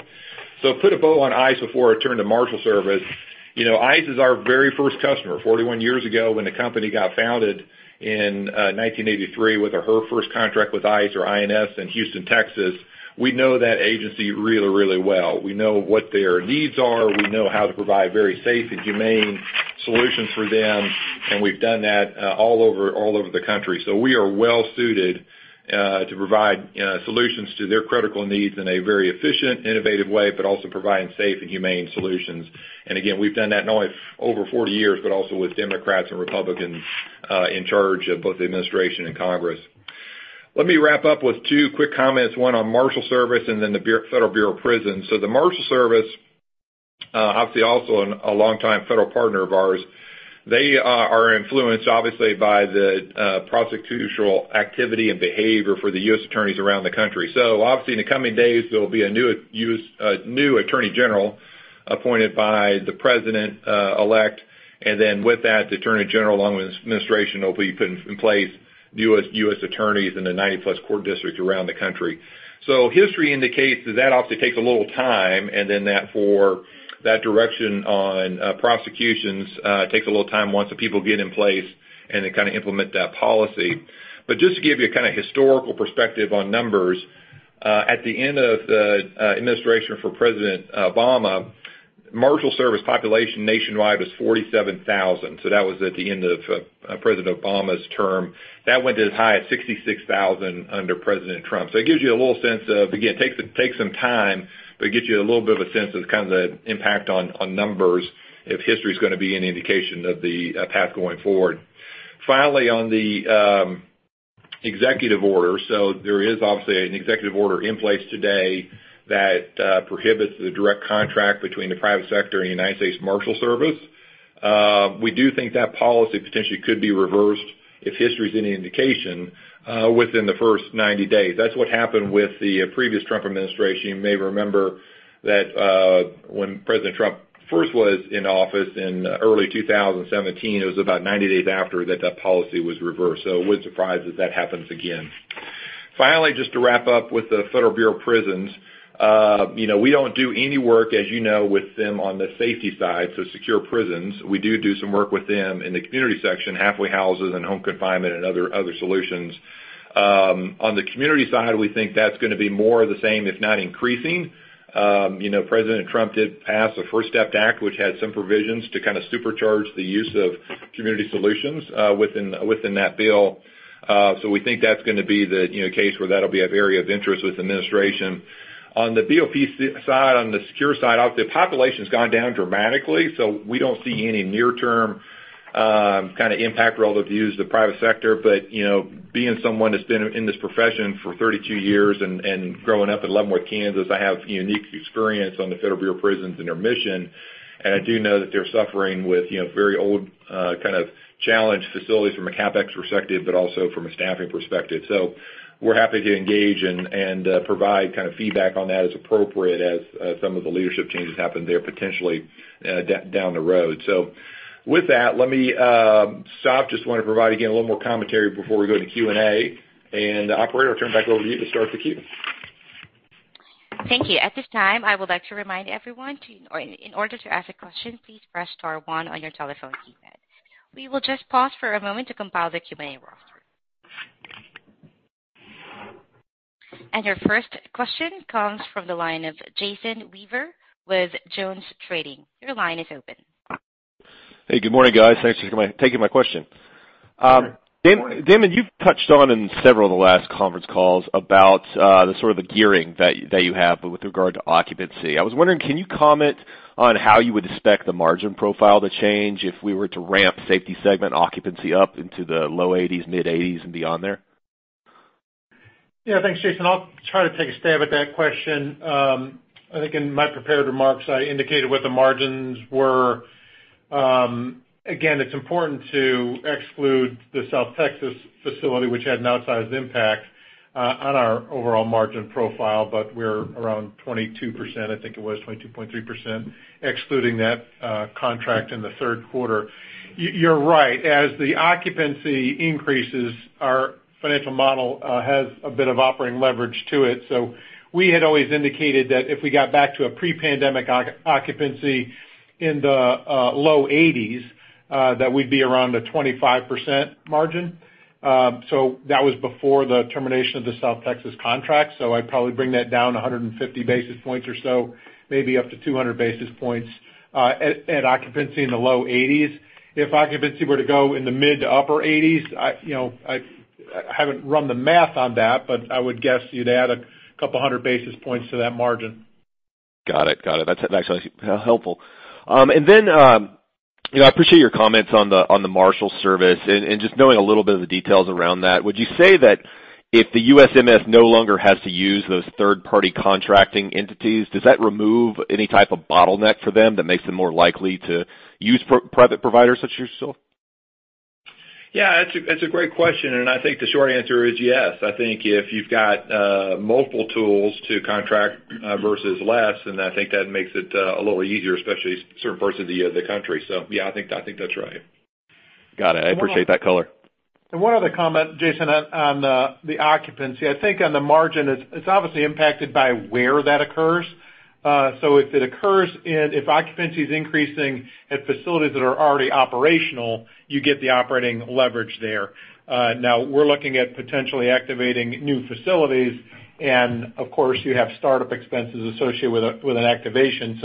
So put a bow on ICE before I turn to Marshals Service. ICE is our very first customer. 41 years ago when the company got founded in 1983 with our first contract with ICE or INS in Houston, Texas, we know that agency really, really well. We know what their needs are. We know how to provide very safe and humane solutions for them, and we've done that all over the country. So we are well suited to provide solutions to their critical needs in a very efficient, innovative way, but also providing safe and humane solutions. And again, we've done that not only over 40 years, but also with Democrats and Republicans in charge of both the administration and Congress. Let me wrap up with two quick comments, one on Marshals Service and then the Federal Bureau of Prisons. The Marshals Service, obviously also a longtime federal partner of ours, is influenced obviously by the prosecutorial activity and behavior for the U.S. Attorneys around the country. In the coming days, there will be a new Attorney General appointed by the President-elect. With that, the Attorney General, along with the administration, will be putting in place the U.S. Attorneys in the 90-plus court districts around the country. History indicates that that obviously takes a little time, and then that direction on prosecutions takes a little time once the people get in place and they kind of implement that policy. To give you a kind of historical perspective on numbers, at the end of the administration for President Obama, Marshals Service population nationwide was 47,000. That was at the end of President Obama's term. That went as high as 66,000 under President Trump. So it gives you a little sense of, again, takes some time, but it gives you a little bit of a sense of kind of the impact on numbers if history is going to be an indication of the path going forward. Finally, on the executive order, so there is obviously an executive order in place today that prohibits the direct contract between the private sector and the United States Marshals Service. We do think that policy potentially could be reversed if history is any indication within the first 90 days. That's what happened with the previous Trump administration. You may remember that when President Trump first was in office in early 2017, it was about 90 days after that that policy was reversed. So it wouldn't surprise us if that happens again. Finally, just to wrap up with the Federal Bureau of Prisons, we don't do any work, as you know, with them on the safety side, so secure prisons. We do do some work with them in the community section, halfway houses, and home confinement and other solutions. On the community side, we think that's going to be more of the same, if not increasing. President Trump did pass a First Step Act, which had some provisions to kind of supercharge the use of community solutions within that bill. So we think that's going to be the case where that'll be an area of interest with the administration. On the BOP side, on the secure side, obviously, the population has gone down dramatically. So we don't see any near-term kind of impact relative to the use of the private sector. But being someone that's been in this profession for 32 years and growing up in Leavenworth, Kansas, I have unique experience on the Federal Bureau of Prisons and their mission. And I do know that they're suffering with very old kind of challenged facilities from a CapEx perspective, but also from a staffing perspective. So we're happy to engage and provide kind of feedback on that as appropriate as some of the leadership changes happen there potentially down the road. So with that, let me stop. Just want to provide again a little more commentary before we go to Q&A. And Operator, I'll turn it back over to you to start the queue. Thank you. At this time, I would like to remind everyone to, in order to ask a question, please press star one on your telephone keypad. We will just pause for a moment to compile the Q&A roster. And your first question comes from the line of Jason Weaver with JonesTrading. Your line is open. Hey, good morning, guys. Thanks for taking my question. Good morning. Damon, you've touched on in several of the last conference calls about the sort of the gearing that you have with regard to occupancy. I was wondering, can you comment on how you would expect the margin profile to change if we were to ramp Safety segment occupancy up into the low 80s, mid 80s, and beyond there? Yeah, thanks, Jason. I'll try to take a stab at that question. I think in my prepared remarks, I indicated what the margins were. Again, it's important to exclude the South Texas facility, which had an outsized impact on our overall margin profile, but we're around 22%, I think it was, 22.3%, excluding that contract in the third quarter. You're right. As the occupancy increases, our financial model has a bit of operating leverage to it. So we had always indicated that if we got back to a pre-pandemic occupancy in the low 80s, that we'd be around a 25% margin. So that was before the termination of the South Texas contract. So I'd probably bring that down 150 basis points or so, maybe up to 200 basis points at occupancy in the low 80s. If occupancy were to go in the mid- to upper 80s, I haven't run the math on that, but I would guess you'd add a couple hundred basis points to that margin. Got it. Got it. That's actually helpful. And then I appreciate your comments on the Marshals Service and just knowing a little bit of the details around that. Would you say that if the USMS no longer has to use those third-party contracting entities, does that remove any type of bottleneck for them that makes them more likely to use private providers such as yourself? Yeah, it's a great question, and I think the short answer is yes. I think if you've got multiple tools to contract versus less, then I think that makes it a little easier, especially certain parts of the country, so yeah, I think that's right. Got it. I appreciate that color. One other comment, Jason, on the occupancy. I think on the margin, it's obviously impacted by where that occurs. If occupancy is increasing at facilities that are already operational, you get the operating leverage there. Now, we're looking at potentially activating new facilities, and of course, you have startup expenses associated with an activation.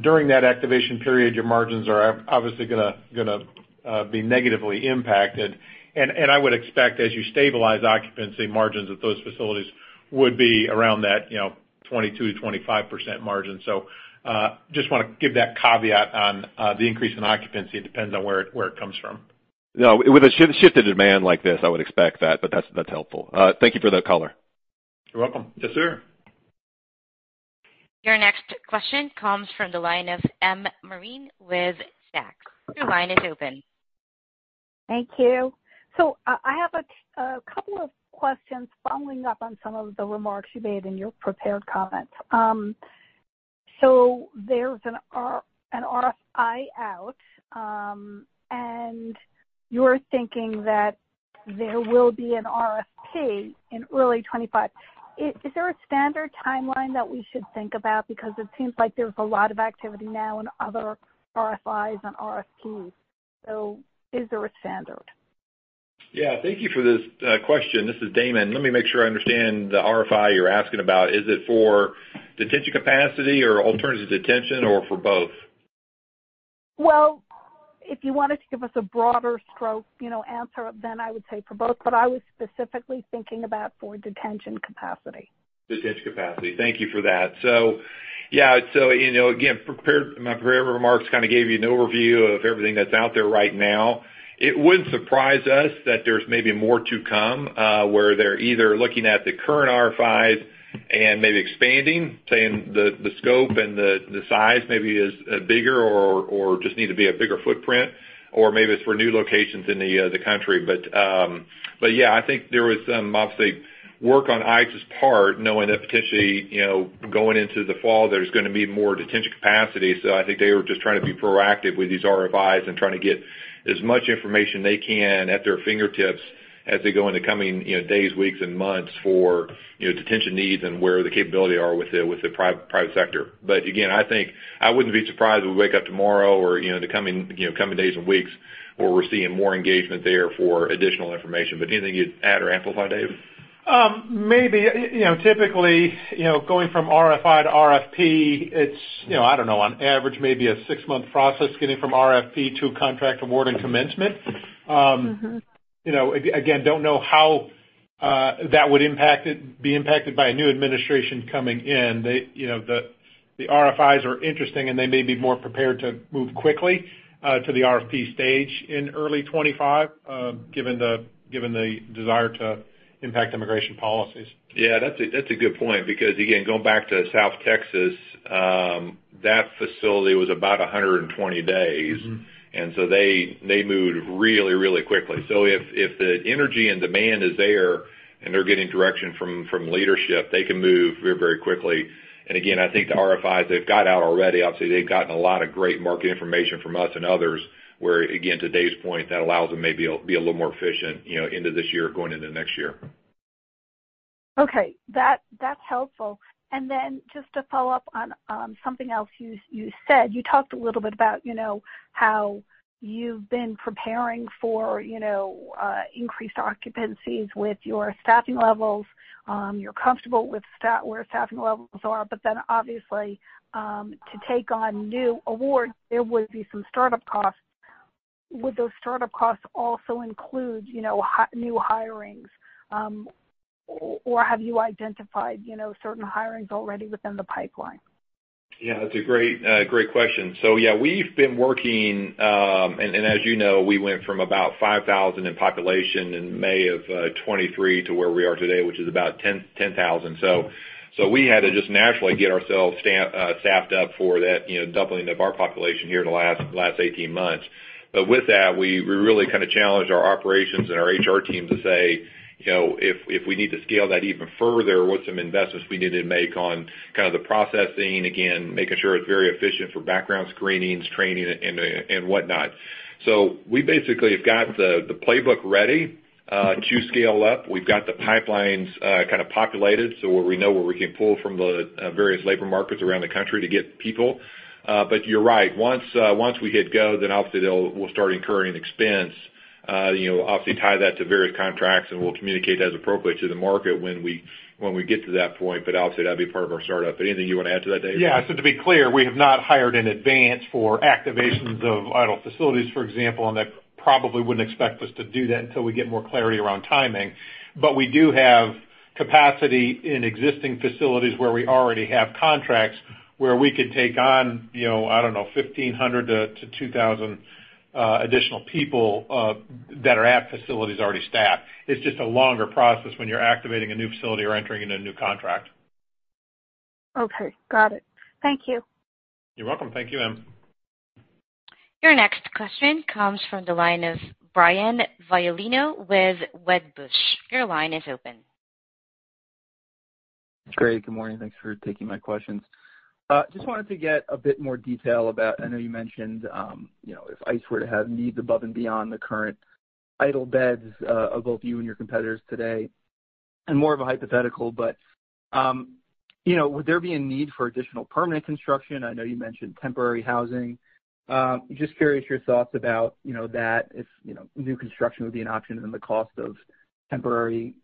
During that activation period, your margins are obviously going to be negatively impacted. I would expect as you stabilize occupancy, margins at those facilities would be around that 22%-25% margin. Just want to give that caveat on the increase in occupancy. It depends on where it comes from. No. With a shift in demand like this, I would expect that, but that's helpful. Thank you for that color. You're welcome. Yes, sir. Your next question comes from the line of Marla Marin with Zacks. Your line is open. Thank you. So I have a couple of questions following up on some of the remarks you made in your prepared comments. So there's an RFI out, and you're thinking that there will be an RFP in early 2025. Is there a standard timeline that we should think about? Because it seems like there's a lot of activity now in other RFIs and RFPs. So is there a standard? Yeah. Thank you for this question. This is Damon. Let me make sure I understand the RFI you're asking about. Is it for detention capacity or alternative detention or for both? If you wanted to give us a broader stroke answer, then I would say for both. But I was specifically thinking about for detention capacity. Detention capacity. Thank you for that. So yeah. So again, my prepared remarks kind of gave you an overview of everything that's out there right now. It wouldn't surprise us that there's maybe more to come where they're either looking at the current RFIs and maybe expanding, saying the scope and the size maybe is bigger or just need to be a bigger footprint, or maybe it's for new locations in the country. But yeah, I think there was some obviously work on ICE's part, knowing that potentially going into the fall, there's going to be more detention capacity. So I think they were just trying to be proactive with these RFIs and trying to get as much information they can at their fingertips as they go in the coming days, weeks, and months for detention needs and where the capability are with the private sector. But again, I think I wouldn't be surprised if we wake up tomorrow or in the coming days and weeks where we're seeing more engagement there for additional information. But anything you'd add or amplify, Dave? Maybe. Typically, going from RFI to RFP, it's, I don't know, on average, maybe a six-month process getting from RFP to contract award and commencement. Again, don't know how that would be impacted by a new administration coming in. The RFIs are interesting, and they may be more prepared to move quickly to the RFP stage in early 2025, given the desire to impact immigration policies. Yeah, that's a good point. Because again, going back to South Texas, that facility was about 120 days. And so they moved really, really quickly. So if the energy and demand is there and they're getting direction from leadership, they can move very, very quickly. And again, I think the RFIs they've got out already, obviously, they've gotten a lot of great market information from us and others where, again, to Dave's point, that allows them maybe to be a little more efficient into this year going into next year. Okay. That's helpful. And then just to follow up on something else you said, you talked a little bit about how you've been preparing for increased occupancies with your staffing levels. You're comfortable with where staffing levels are. But then obviously, to take on new awards, there would be some startup costs. Would those startup costs also include new hirings, or have you identified certain hirings already within the pipeline? Yeah, that's a great question. So yeah, we've been working, and as you know, we went from about 5,000 in population in May of 2023 to where we are today, which is about 10,000. So we had to just naturally get ourselves staffed up for that doubling of our population here in the last 18 months. But with that, we really kind of challenged our operations and our HR team to say, "If we need to scale that even further, what's some investments we need to make on kind of the processing, again, making sure it's very efficient for background screenings, training, and whatnot?" So we basically have got the playbook ready to scale up. We've got the pipelines kind of populated so we know where we can pull from the various labor markets around the country to get people. But you're right. Once we hit go, then obviously we'll start incurring expense, obviously tie that to various contracts, and we'll communicate as appropriate to the market when we get to that point. But obviously, that'd be part of our startup. Anything you want to add to that, Dave? Yeah. So to be clear, we have not hired in advance for activations of idle facilities, for example, and that probably wouldn't expect us to do that until we get more clarity around timing. But we do have capacity in existing facilities where we already have contracts where we could take on, I don't know, 1,500-2,000 additional people that are at facilities already staffed. It's just a longer process when you're activating a new facility or entering into a new contract. Okay. Got it. Thank you. You're welcome. Thank you, M. Your next question comes from the line of Brian Violino with Wedbush. Your line is open. Great. Good morning. Thanks for taking my questions. Just wanted to get a bit more detail about, I know you mentioned if ICE were to have needs above and beyond the current idle beds of both you and your competitors today, and more of a hypothetical, but would there be a need for additional permanent construction? I know you mentioned temporary housing. Just curious your thoughts about that, if new construction would be an option and the cost of temporary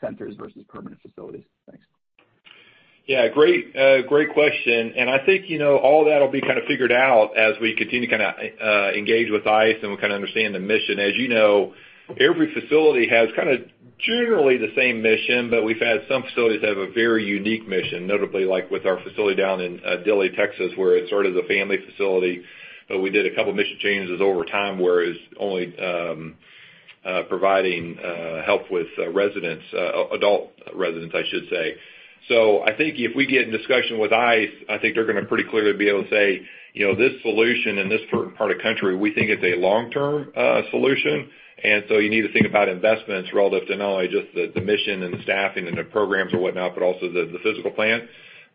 centers versus permanent facilities. Thanks. Yeah. Great question. And I think all that will be kind of figured out as we continue to kind of engage with ICE and kind of understand the mission. As you know, every facility has kind of generally the same mission, but we've had some facilities have a very unique mission, notably like with our facility down in Dilley, Texas, where it's sort of the family facility. But we did a couple of mission changes over time where it's only providing help with residents, adult residents, I should say. So I think if we get in discussion with ICE, I think they're going to pretty clearly be able to say, "This solution in this part of country, we think it's a long-term solution." And so you need to think about investments relative to not only just the mission and the staffing and the programs or whatnot, but also the physical plant.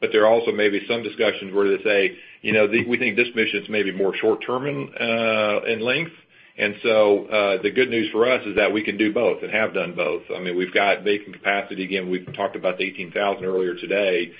But there also may be some discussions where they say, "We think this mission's maybe more short-term in length." And so the good news for us is that we can do both and have done both. I mean, we've got vacant capacity. Again, we've talked about the 18,000 earlier today.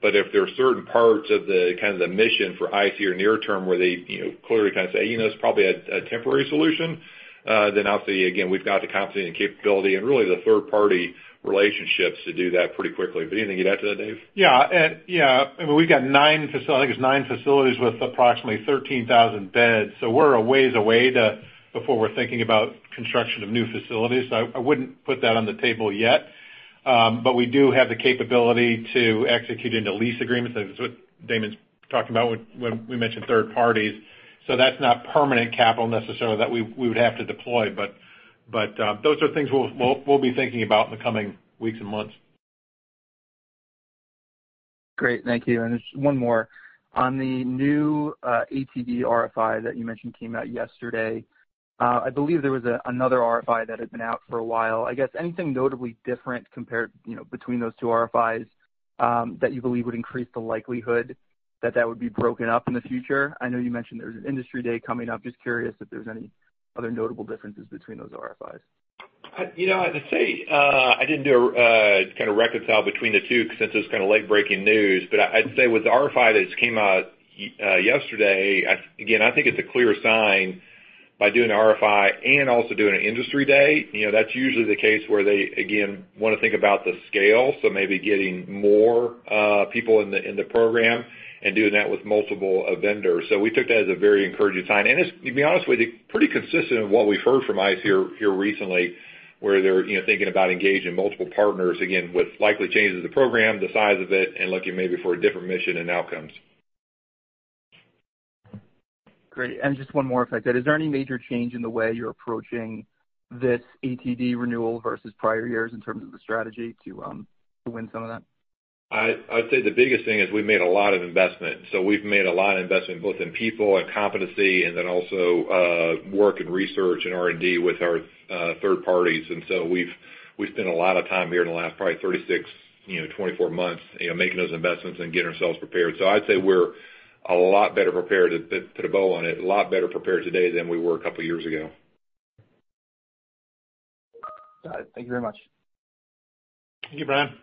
But if there are certain parts of the kind of the mission for ICE here near term where they clearly kind of say, "It's probably a temporary solution," then obviously, again, we've got the competency and capability and really the third-party relationships to do that pretty quickly. But anything you'd add to that, Dave? Yeah. Yeah. I mean, we've got nine facilities. I think it's nine facilities with approximately 13,000 beds. So we're a ways away before we're thinking about construction of new facilities. So I wouldn't put that on the table yet. But we do have the capability to execute into lease agreements. That's what Damon's talking about when we mentioned third parties. So that's not permanent capital necessarily that we would have to deploy. But those are things we'll be thinking about in the coming weeks and months. Great. Thank you. And just one more. On the new ATD RFI that you mentioned came out yesterday, I believe there was another RFI that had been out for a while. I guess anything notably different between those two RFIs that you believe would increase the likelihood that that would be broken up in the future? I know you mentioned there's an Industry Day coming up. Just curious if there's any other notable differences between those RFIs. I'd say I didn't do a kind of reconcile between the two since it was kind of late-breaking news. But I'd say with the RFI that just came out yesterday, again, I think it's a clear sign by doing an RFI and also doing an Industry Day. That's usually the case where they, again, want to think about the scale. So maybe getting more people in the program and doing that with multiple vendors. So we took that as a very encouraging sign. And to be honest with you, pretty consistent with what we've heard from ICE here recently where they're thinking about engaging multiple partners, again, with likely changes to the program, the size of it, and looking maybe for a different mission and outcomes. Great. And just one more if I could. Is there any major change in the way you're approaching this ATD renewal versus prior years in terms of the strategy to win some of that? I'd say the biggest thing is we've made a lot of investment, so we've made a lot of investment both in people and competency and then also work and research and R&D with our third parties. And so we've spent a lot of time here in the last probably 36, 24 months making those investments and getting ourselves prepared, so I'd say we're a lot better prepared to put a bow on it, a lot better prepared today than we were a couple of years ago. Got it. Thank you very much. Thank you, Brian.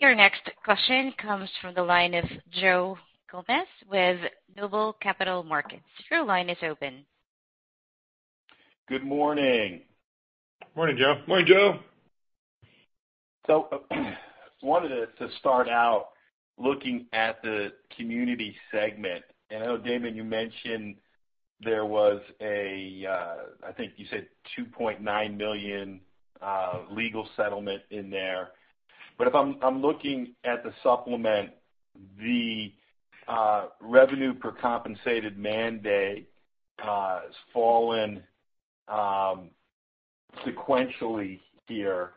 Your next question comes from the line of Joe Gomes with Noble Capital Markets. Your line is open. Good morning. Morning, Joe. Morning, Joe. I wanted to start out looking at the Community segment. And I know, Damon, you mentioned there was a, I think you said $2.9 million legal settlement in there. But if I'm looking at the supplement, the revenue per compensated man-day has fallen sequentially here.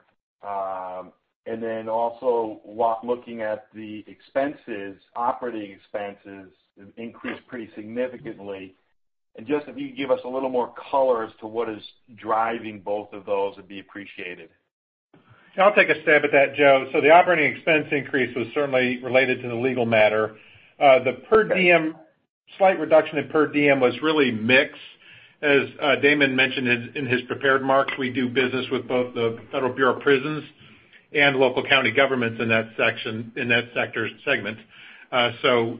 And then also looking at the expenses, operating expenses have increased pretty significantly. And just if you could give us a little more color as to what is driving both of those, it'd be appreciated. Yeah. I'll take a stab at that, Joe. So the operating expense increase was certainly related to the legal matter. The per diem, slight reduction in per diem was really mixed. As Damon mentioned in his prepared remarks, we do business with both the Federal Bureau of Prisons and local county governments in that sector segment. So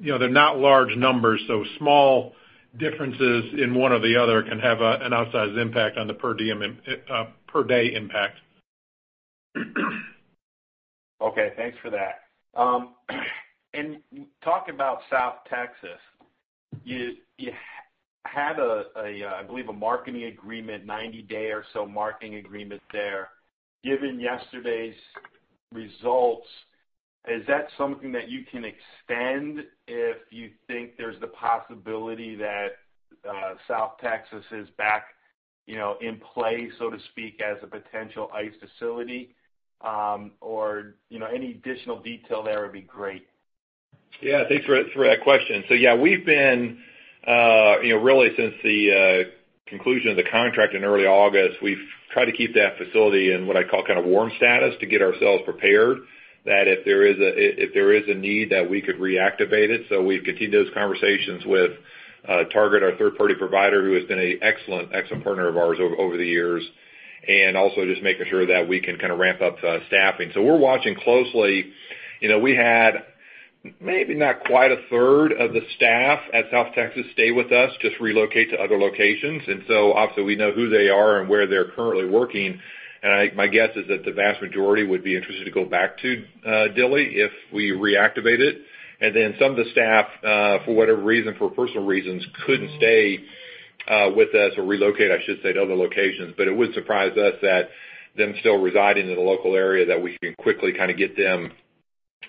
they're not large numbers. So small differences in one or the other can have an outsized impact on the per diem per day impact. Okay. Thanks for that. And talking about South Texas, you had, I believe, a 90-day or so marketing agreement there. Given yesterday's results, is that something that you can extend if you think there's the possibility that South Texas is back in play, so to speak, as a potential ICE facility? Or any additional detail there would be great. Yeah. Thanks for that question. So yeah, we've been really since the conclusion of the contract in early August, we've tried to keep that facility in what I call kind of warm status to get ourselves prepared that if there is a need that we could reactivate it. So we've continued those conversations with Target, our third-party provider, who has been an excellent, excellent partner of ours over the years, and also just making sure that we can kind of ramp up staffing. So we're watching closely. We had maybe not quite a third of the staff at South Texas stay with us, just relocate to other locations. And so obviously, we know who they are and where they're currently working. And my guess is that the vast majority would be interested to go back to Dilley if we reactivate it. And then some of the staff, for whatever reason, for personal reasons, couldn't stay with us or relocate, I should say, to other locations. But it would surprise us that them still residing in the local area that we can quickly kind of get them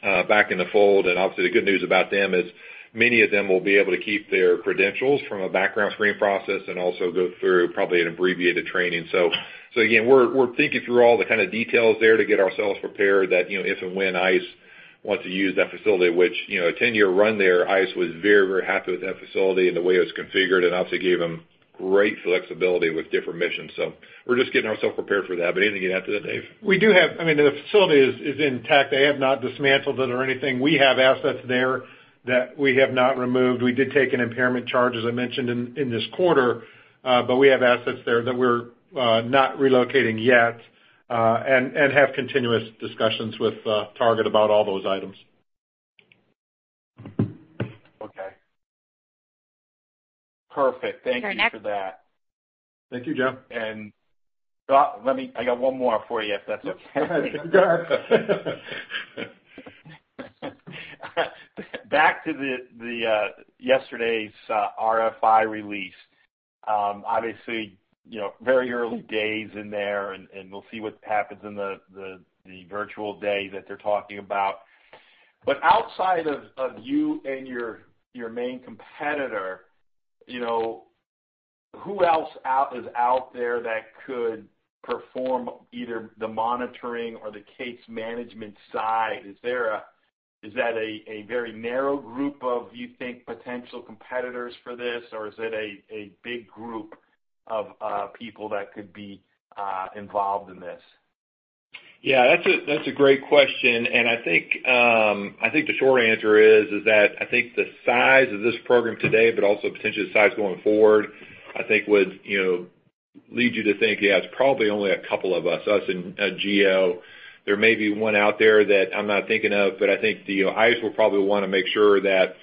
back in the fold. And obviously, the good news about them is many of them will be able to keep their credentials from a background screening process and also go through probably an abbreviated training. So again, we're thinking through all the kind of details there to get ourselves prepared that if and when ICE wants to use that facility, which a 10-year run there, ICE was very, very happy with that facility and the way it was configured and obviously gave them great flexibility with different missions. So we're just getting ourselves prepared for that. But anything you'd add to that, Dave? We do have, I mean, the facility is intact. They have not dismantled it or anything. We have assets there that we have not removed. We did take an impairment charge, as I mentioned, in this quarter, but we have assets there that we're not relocating yet and have continuous discussions with Target about all those items. Okay. Perfect. Thank you for that. Fair enough. Thank you, Joe. I got one more for you if that's okay. Okay. Go ahead. Back to yesterday's RFI release. Obviously, very early days in there, and we'll see what happens in the virtual day that they're talking about. But outside of you and your main competitor, who else is out there that could perform either the monitoring or the case management side? Is that a very narrow group of, you think, potential competitors for this, or is it a big group of people that could be involved in this? Yeah. That's a great question. And I think the short answer is that I think the size of this program today, but also potentially the size going forward, I think would lead you to think, "Yeah, it's probably only a couple of us, us and GEO." There may be one out there that I'm not thinking of, but I think ICE will probably want to make sure that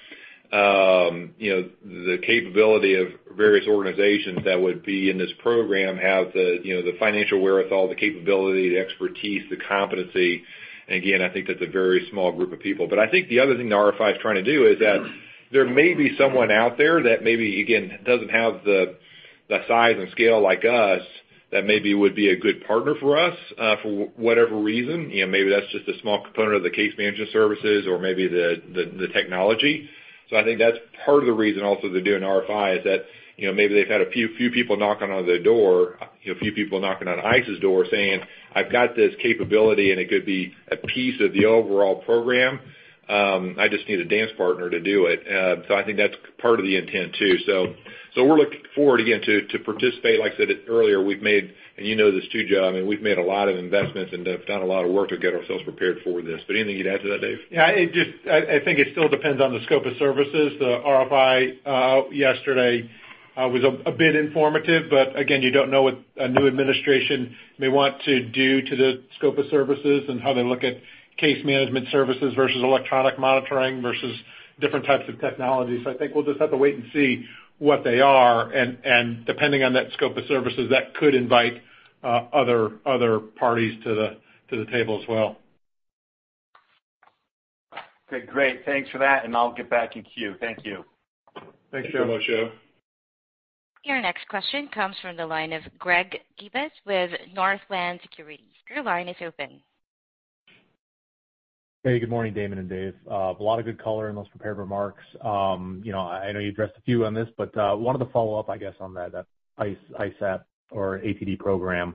the capability of various organizations that would be in this program have the financial wherewithal, the capability, the expertise, the competency. And again, I think that's a very small group of people. But I think the other thing the RFI is trying to do is that there may be someone out there that maybe, again, doesn't have the size and scale like us that maybe would be a good partner for us for whatever reason. Maybe that's just a small component of the case management services or maybe the technology. So I think that's part of the reason also they're doing RFI is that maybe they've had a few people knocking on the door, a few people knocking on ICE's door saying, "I've got this capability, and it could be a piece of the overall program. I just need a dance partner to do it." So I think that's part of the intent too. So we're looking forward again to participate. Like I said earlier, we've made, and you know this, too, Joe, I mean, we've made a lot of investments and have done a lot of work to get ourselves prepared for this. But anything you'd add to that, Dave? Yeah. I think it still depends on the scope of services. The RFI yesterday was a bit informative. But again, you don't know what a new administration may want to do to the scope of services and how they look at case management services versus electronic monitoring versus different types of technology. So I think we'll just have to wait and see what they are. And depending on that scope of services, that could invite other parties to the table as well. Okay. Great. Thanks for that. And I'll get back in queue. Thank you. Thanks, Joe. Thanks very much, Joe. Your next question comes from the line of Greg Gibas with Northland Securities. Your line is open. Hey, good morning, Damon and Dave. A lot of good color and those prepared remarks. I know you addressed a few on this, but one of the follow-ups, I guess, on that ICE RFP or ATD program,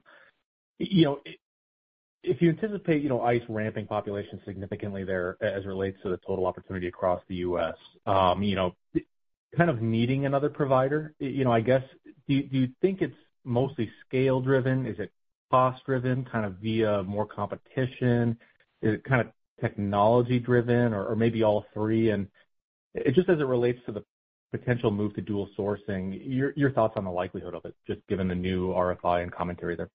if you anticipate ICE ramping population significantly there as it relates to the total opportunity across the U.S., kind of needing another provider, I guess, do you think it's mostly scale-driven? Is it cost-driven, kind of via more competition? Is it kind of technology-driven or maybe all three? And just as it relates to the potential move to dual sourcing, your thoughts on the likelihood of it, just given the new RFI and commentary there?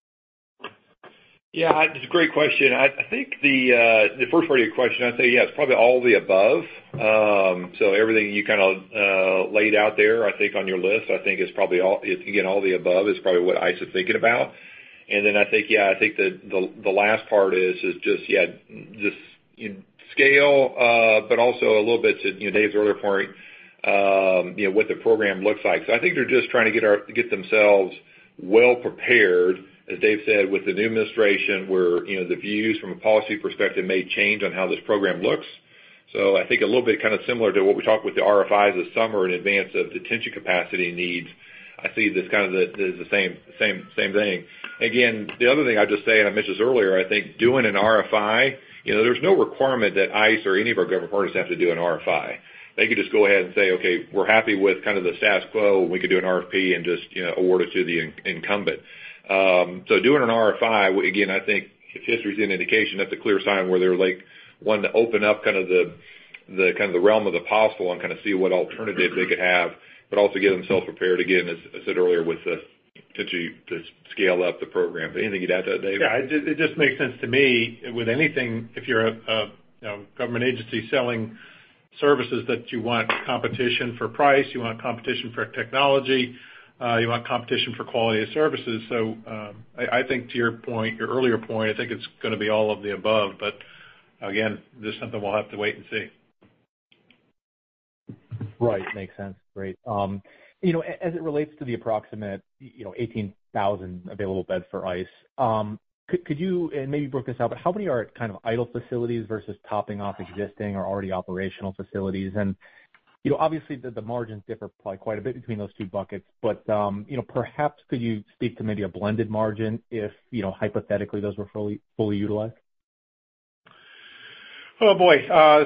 Yeah. It's a great question. I think the first part of your question, I'd say, yeah, it's probably all of the above. So everything you kind of laid out there, I think, on your list, I think is probably, again, all of the above is probably what ICE is thinking about. And then I think, yeah, I think the last part is just, yeah, just scale, but also a little bit to Dave's earlier point, what the program looks like. So I think they're just trying to get themselves well prepared, as Dave said, with the new administration where the views from a policy perspective may change on how this program looks. So I think a little bit kind of similar to what we talked with the RFIs this summer in advance of detention capacity needs, I see this kind of is the same thing. Again, the other thing I'd just say, and I mentioned this earlier, I think doing an RFI, there's no requirement that ICE or any of our government partners have to do an RFI. They could just go ahead and say, "Okay, we're happy with kind of the status quo. We could do an RFP and just award it to the incumbent." So doing an RFI, again, I think if history is an indication, that's a clear sign where they're wanting to open up kind of the realm of the possible and kind of see what alternatives they could have, but also get themselves prepared, again, as I said earlier, with potentially the scale up the program. But anything you'd add to that, Dave? Yeah. It just makes sense to me with anything if you're a government agency selling services that you want competition for price, you want competition for technology, you want competition for quality of services. So I think to your earlier point, I think it's going to be all of the above. But again, this is something we'll have to wait and see. Right. Makes sense. Great. As it relates to the approximate 18,000 available beds for ICE, could you, and maybe you broke this out, but how many are kind of idle facilities versus topping off existing or already operational facilities? And obviously, the margins differ quite a bit between those two buckets. But perhaps could you speak to maybe a blended margin if hypothetically those were fully utilized? Oh, boy.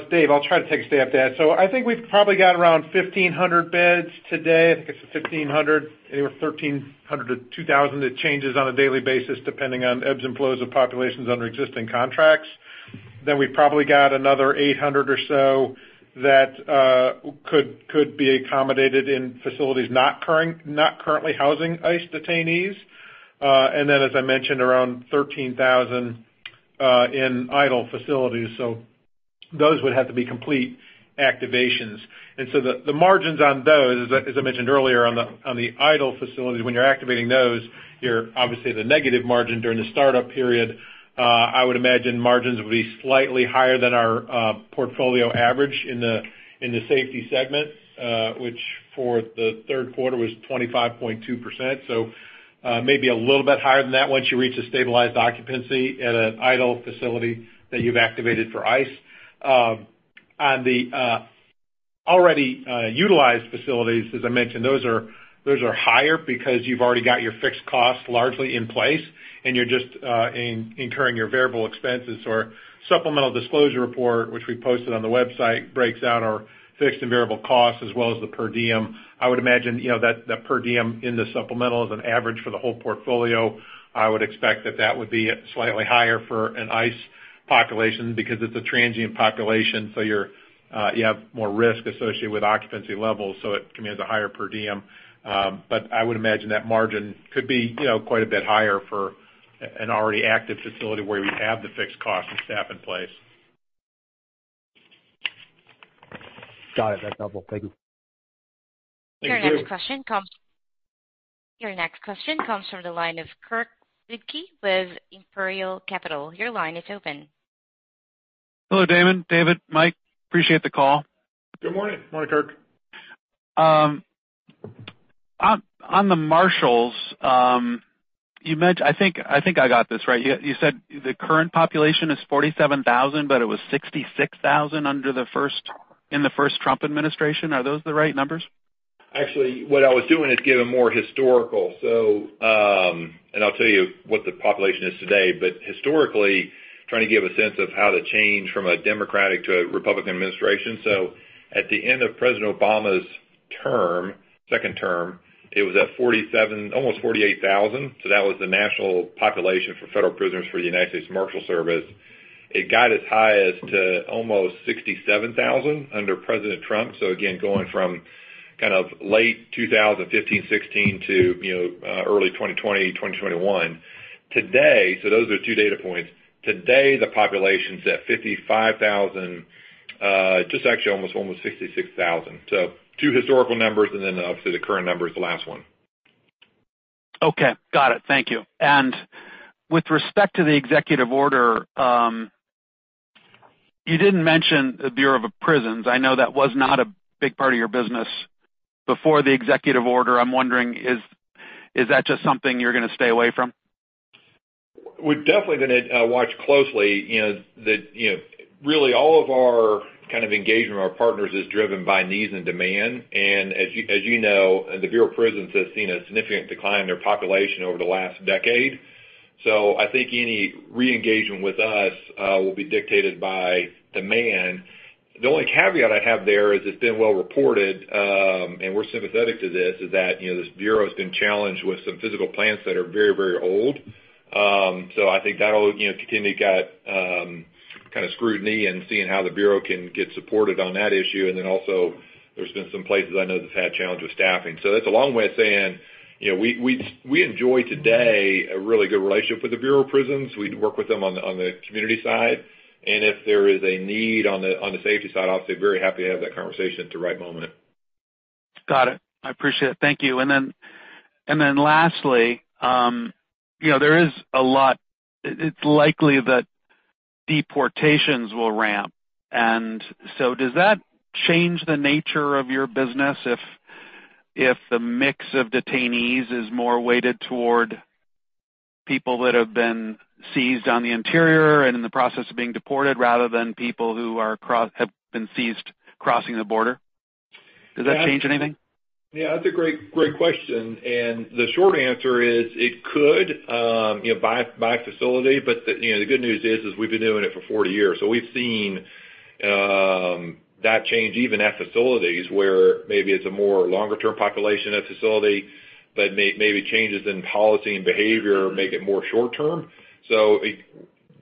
Dave, I'll try to take a stab at that. So I think we've probably got around 1,500 beds today. I think it's 1,500, anywhere from 1,300-2,000. It changes on a daily basis depending on ebbs and flows of populations under existing contracts. Then we've probably got another 800 or so that could be accommodated in facilities not currently housing ICE detainees. And then, as I mentioned, around 13,000 in idle facilities. So those would have to be complete activations. And so the margins on those, as I mentioned earlier, on the idle facilities, when you're activating those, you're obviously at a negative margin during the startup period. I would imagine margins would be slightly higher than our portfolio average in the Safety segment, which for the third quarter was 25.2%. So maybe a little bit higher than that once you reach a stabilized occupancy at an idle facility that you've activated for ICE. On the already utilized facilities, as I mentioned, those are higher because you've already got your fixed costs largely in place, and you're just incurring your variable expenses. So our supplemental disclosure report, which we posted on the website, breaks out our fixed and variable costs as well as the per diem. I would imagine that per diem in the supplemental is an average for the whole portfolio. I would expect that that would be slightly higher for an ICE population because it's a transient population. So you have more risk associated with occupancy levels. So it commands a higher per diem. But I would imagine that margin could be quite a bit higher for an already active facility where we have the fixed costs and staff in place. Got it. That's helpful. Thank you. Your next question comes from the line of Kirk Ludtke with Imperial Capital. Your line is open. Hello, Damon. David, Mike. Appreciate the call. Good morning. Morning, Kirk. On the Marshals, I think I got this right. You said the current population is 47,000, but it was 66,000 under the first Trump administration. Are those the right numbers? Actually, what I was doing is giving more historical, and I'll tell you what the population is today. But historically, trying to give a sense of how the change from a Democratic to a Republican administration. So at the end of President Obama's second term, it was at almost 48,000. So that was the national population for federal prisoners for the United States Marshals Service. It got as high as to almost 67,000 under President Trump. So again, going from kind of late 2015, 2016 to early 2020, 2021. So those are two data points. Today, the population's at 55,000, just actually almost 66,000. So two historical numbers, and then obviously the current number is the last one. Okay. Got it. Thank you. And with respect to the executive order, you didn't mention the Bureau of Prisons. I know that was not a big part of your business before the executive order. I'm wondering, is that just something you're going to stay away from? We've definitely been watched closely. Really, all of our kind of engagement with our partners is driven by needs and demand. And as you know, the Bureau of Prisons has seen a significant decline in their population over the last decade. So I think any re-engagement with us will be dictated by demand. The only caveat I'd have there is it's been well reported, and we're sympathetic to this, is that this bureau has been challenged with some physical plants that are very, very old. So I think that'll continue to get kind of scrutiny and seeing how the bureau can get supported on that issue. And then also, there's been some places I know that have had challenges with staffing. So that's a long way of saying we enjoy today a really good relationship with the Bureau of Prisons. We work with them on the community side. If there is a need on the safety side, obviously, very happy to have that conversation at the right moment. Got it. I appreciate it. Thank you. And then lastly, there is a lot, it's likely that deportations will ramp. And so does that change the nature of your business if the mix of detainees is more weighted toward people that have been seized on the interior and in the process of being deported rather than people who have been seized crossing the border? Does that change anything? Yeah. That's a great question. And the short answer is it could by facility. But the good news is we've been doing it for 40 years. So we've seen that change even at facilities where maybe it's a more longer-term population at facility, but maybe changes in policy and behavior make it more short-term. So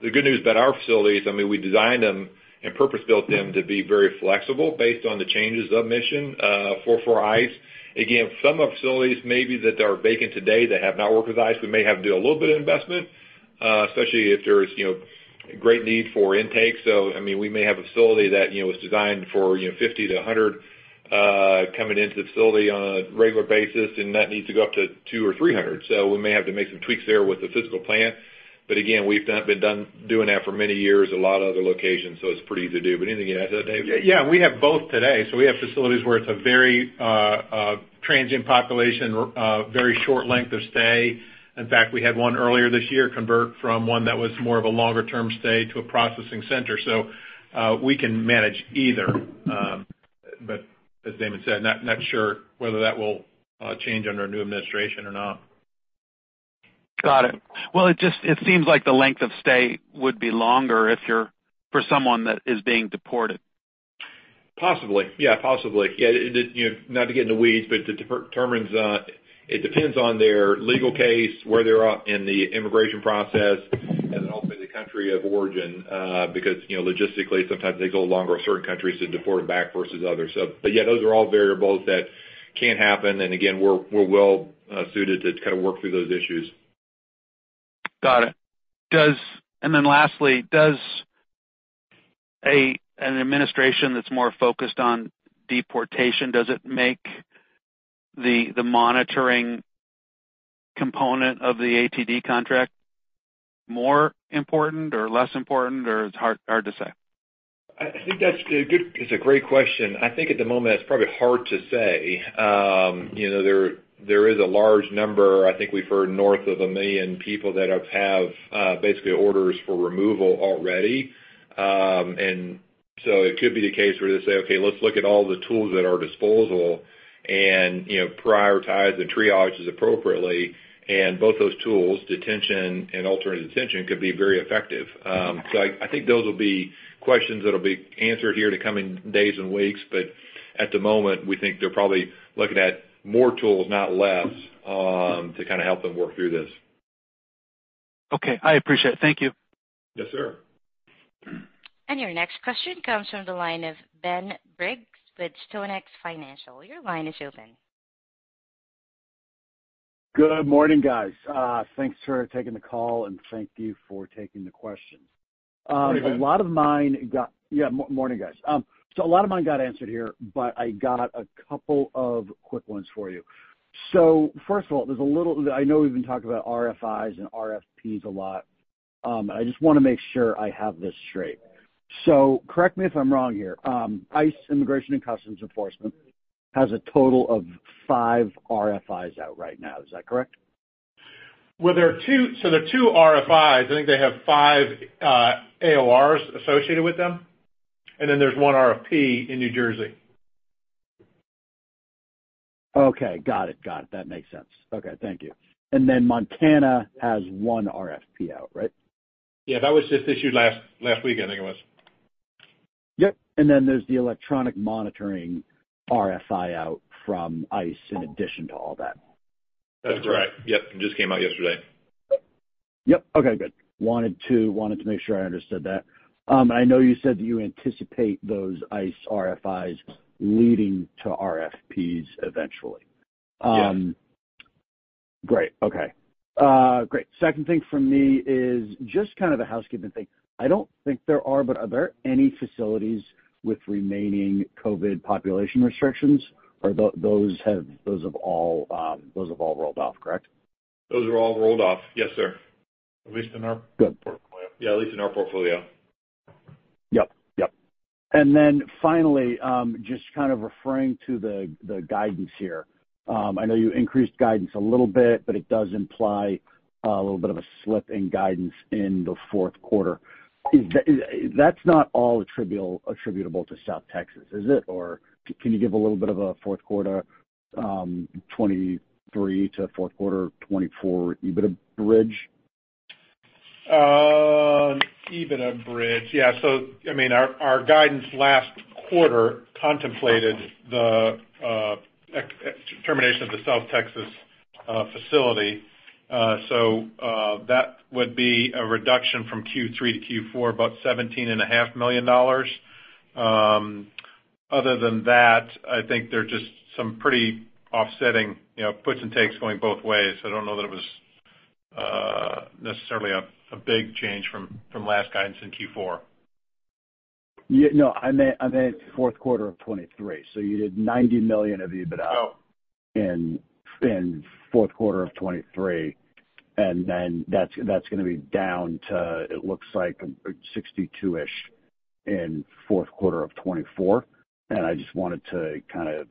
the good news about our facilities, I mean, we designed them and purpose-built them to be very flexible based on the changes of mission for ICE. Again, some of the facilities maybe that are vacant today that have not worked with ICE, we may have to do a little bit of investment, especially if there's great need for intake. So I mean, we may have a facility that was designed for 50-100 coming into the facility on a regular basis, and that needs to go up to 200 or 300. So we may have to make some tweaks there with the physical plant. But again, we've been doing that for many years, a lot of other locations. So it's pretty easy to do. But anything you'd add to that, Dave? Yeah. We have both today. So we have facilities where it's a very transient population, very short length of stay. In fact, we had one earlier this year convert from one that was more of a longer-term stay to a processing center. So we can manage either. But as Damon said, not sure whether that will change under a new administration or not. Got it. It seems like the length of stay would be longer for someone that is being deported. Possibly. Yeah, possibly. Yeah. Not to get into weeds, but it depends on their legal case, where they're at in the immigration process, and then ultimately the country of origin because logistically, sometimes they go longer in certain countries to deport them back versus others. But yeah, those are all variables that can happen. And again, we're well suited to kind of work through those issues. Got it. And then lastly, does an administration that's more focused on deportation, does it make the monitoring component of the ATD contract more important or less important, or it's hard to say? I think that's a great question. I think at the moment, it's probably hard to say. There is a large number. I think we've heard north of a million people that have basically orders for removal already, and so it could be the case where they say, "Okay, let's look at all the tools at our disposal and prioritize and triage appropriately," and both those tools, detention and alternative detention, could be very effective, so I think those will be questions that will be answered here in the coming days and weeks, but at the moment, we think they're probably looking at more tools, not less, to kind of help them work through this. Okay. I appreciate it. Thank you. Yes, sir. And your next question comes from the line of Ben Briggs with StoneX Financial. Your line is open. Good morning, guys. Thanks for taking the call, and thank you for taking the questions. A lot of mine got answered here, but I got a couple of quick ones for you. So first of all, I know we've been talking about RFIs and RFPs a lot. I just want to make sure I have this straight. So correct me if I'm wrong here. ICE Immigration and Customs Enforcement has a total of five RFIs out right now. Is that correct? There are two RFIs. I think they have five AORs associated with them. Then there's one RFP in New Jersey. Okay. Got it. Got it. That makes sense. Okay. Thank you. And then Montana has one RFP out, right? Yeah. That was just issued last week, I think it was. Yep. And then there's the electronic monitoring RFI out from ICE in addition to all that. That's correct. Yep. It just came out yesterday. Yep. Okay. Good. Wanted to make sure I understood that. I know you said that you anticipate those ICE RFIs leading to RFPs eventually. Yes. Great. Okay. Great. Second thing for me is just kind of a housekeeping thing. I don't think there are, but are there any facilities with remaining COVID population restrictions, or those have all rolled off, correct? Those are all rolled off. Yes, sir. At least in our portfolio. Yeah. At least in our portfolio. Yep. Yep. And then finally, just kind of referring to the guidance here, I know you increased guidance a little bit, but it does imply a little bit of a slip in guidance in the fourth quarter. That's not all attributable to South Texas, is it? Or can you give a little bit of a fourth quarter 2023 to fourth quarter 2024 EBITDA bridge? EBITDA bridge. Yeah. So I mean, our guidance last quarter contemplated the termination of the South Texas facility. So that would be a reduction from Q3 to Q4, about $17.5 million. Other than that, I think there's just some pretty offsetting puts and takes going both ways. I don't know that it was necessarily a big change from last guidance in Q4. Yeah. No. I meant fourth quarter of 2023. So you did $90 million of EBITDA in fourth quarter of 2023. And then that's going to be down to, it looks like, $62-ish in fourth quarter of 2024. And I just wanted to kind of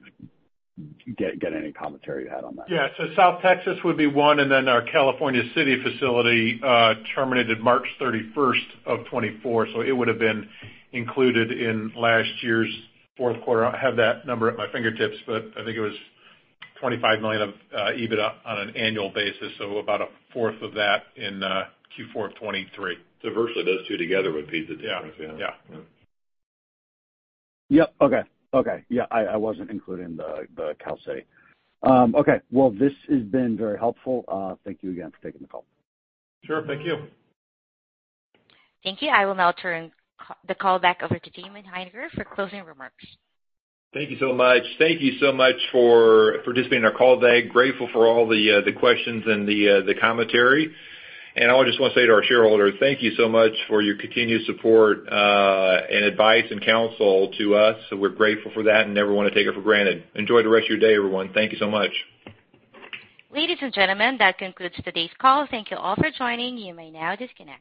get any commentary you had on that. Yeah. So South Texas would be one, and then our California City facility terminated March 31st of 2024. So it would have been included in last year's fourth quarter. I have that number at my fingertips, but I think it was $25 million of EBITDA on an annual basis. So about a fourth of that in Q4 of 2023. So virtually those two together would be the difference. Yeah. Yeah. Yeah. Yep. Okay. Okay. Yeah. I wasn't including the Cal City. Okay. Well, this has been very helpful. Thank you again for taking the call. Sure. Thank you. Thank you. I will now turn the call back over to Damon Hininger for closing remarks. Thank you so much. Thank you so much for participating in our call today. Grateful for all the questions and the commentary. And I just want to say to our shareholders, thank you so much for your continued support and advice and counsel to us. We're grateful for that and never want to take it for granted. Enjoy the rest of your day, everyone. Thank you so much. Ladies and gentlemen, that concludes today's call. Thank you all for joining. You may now disconnect.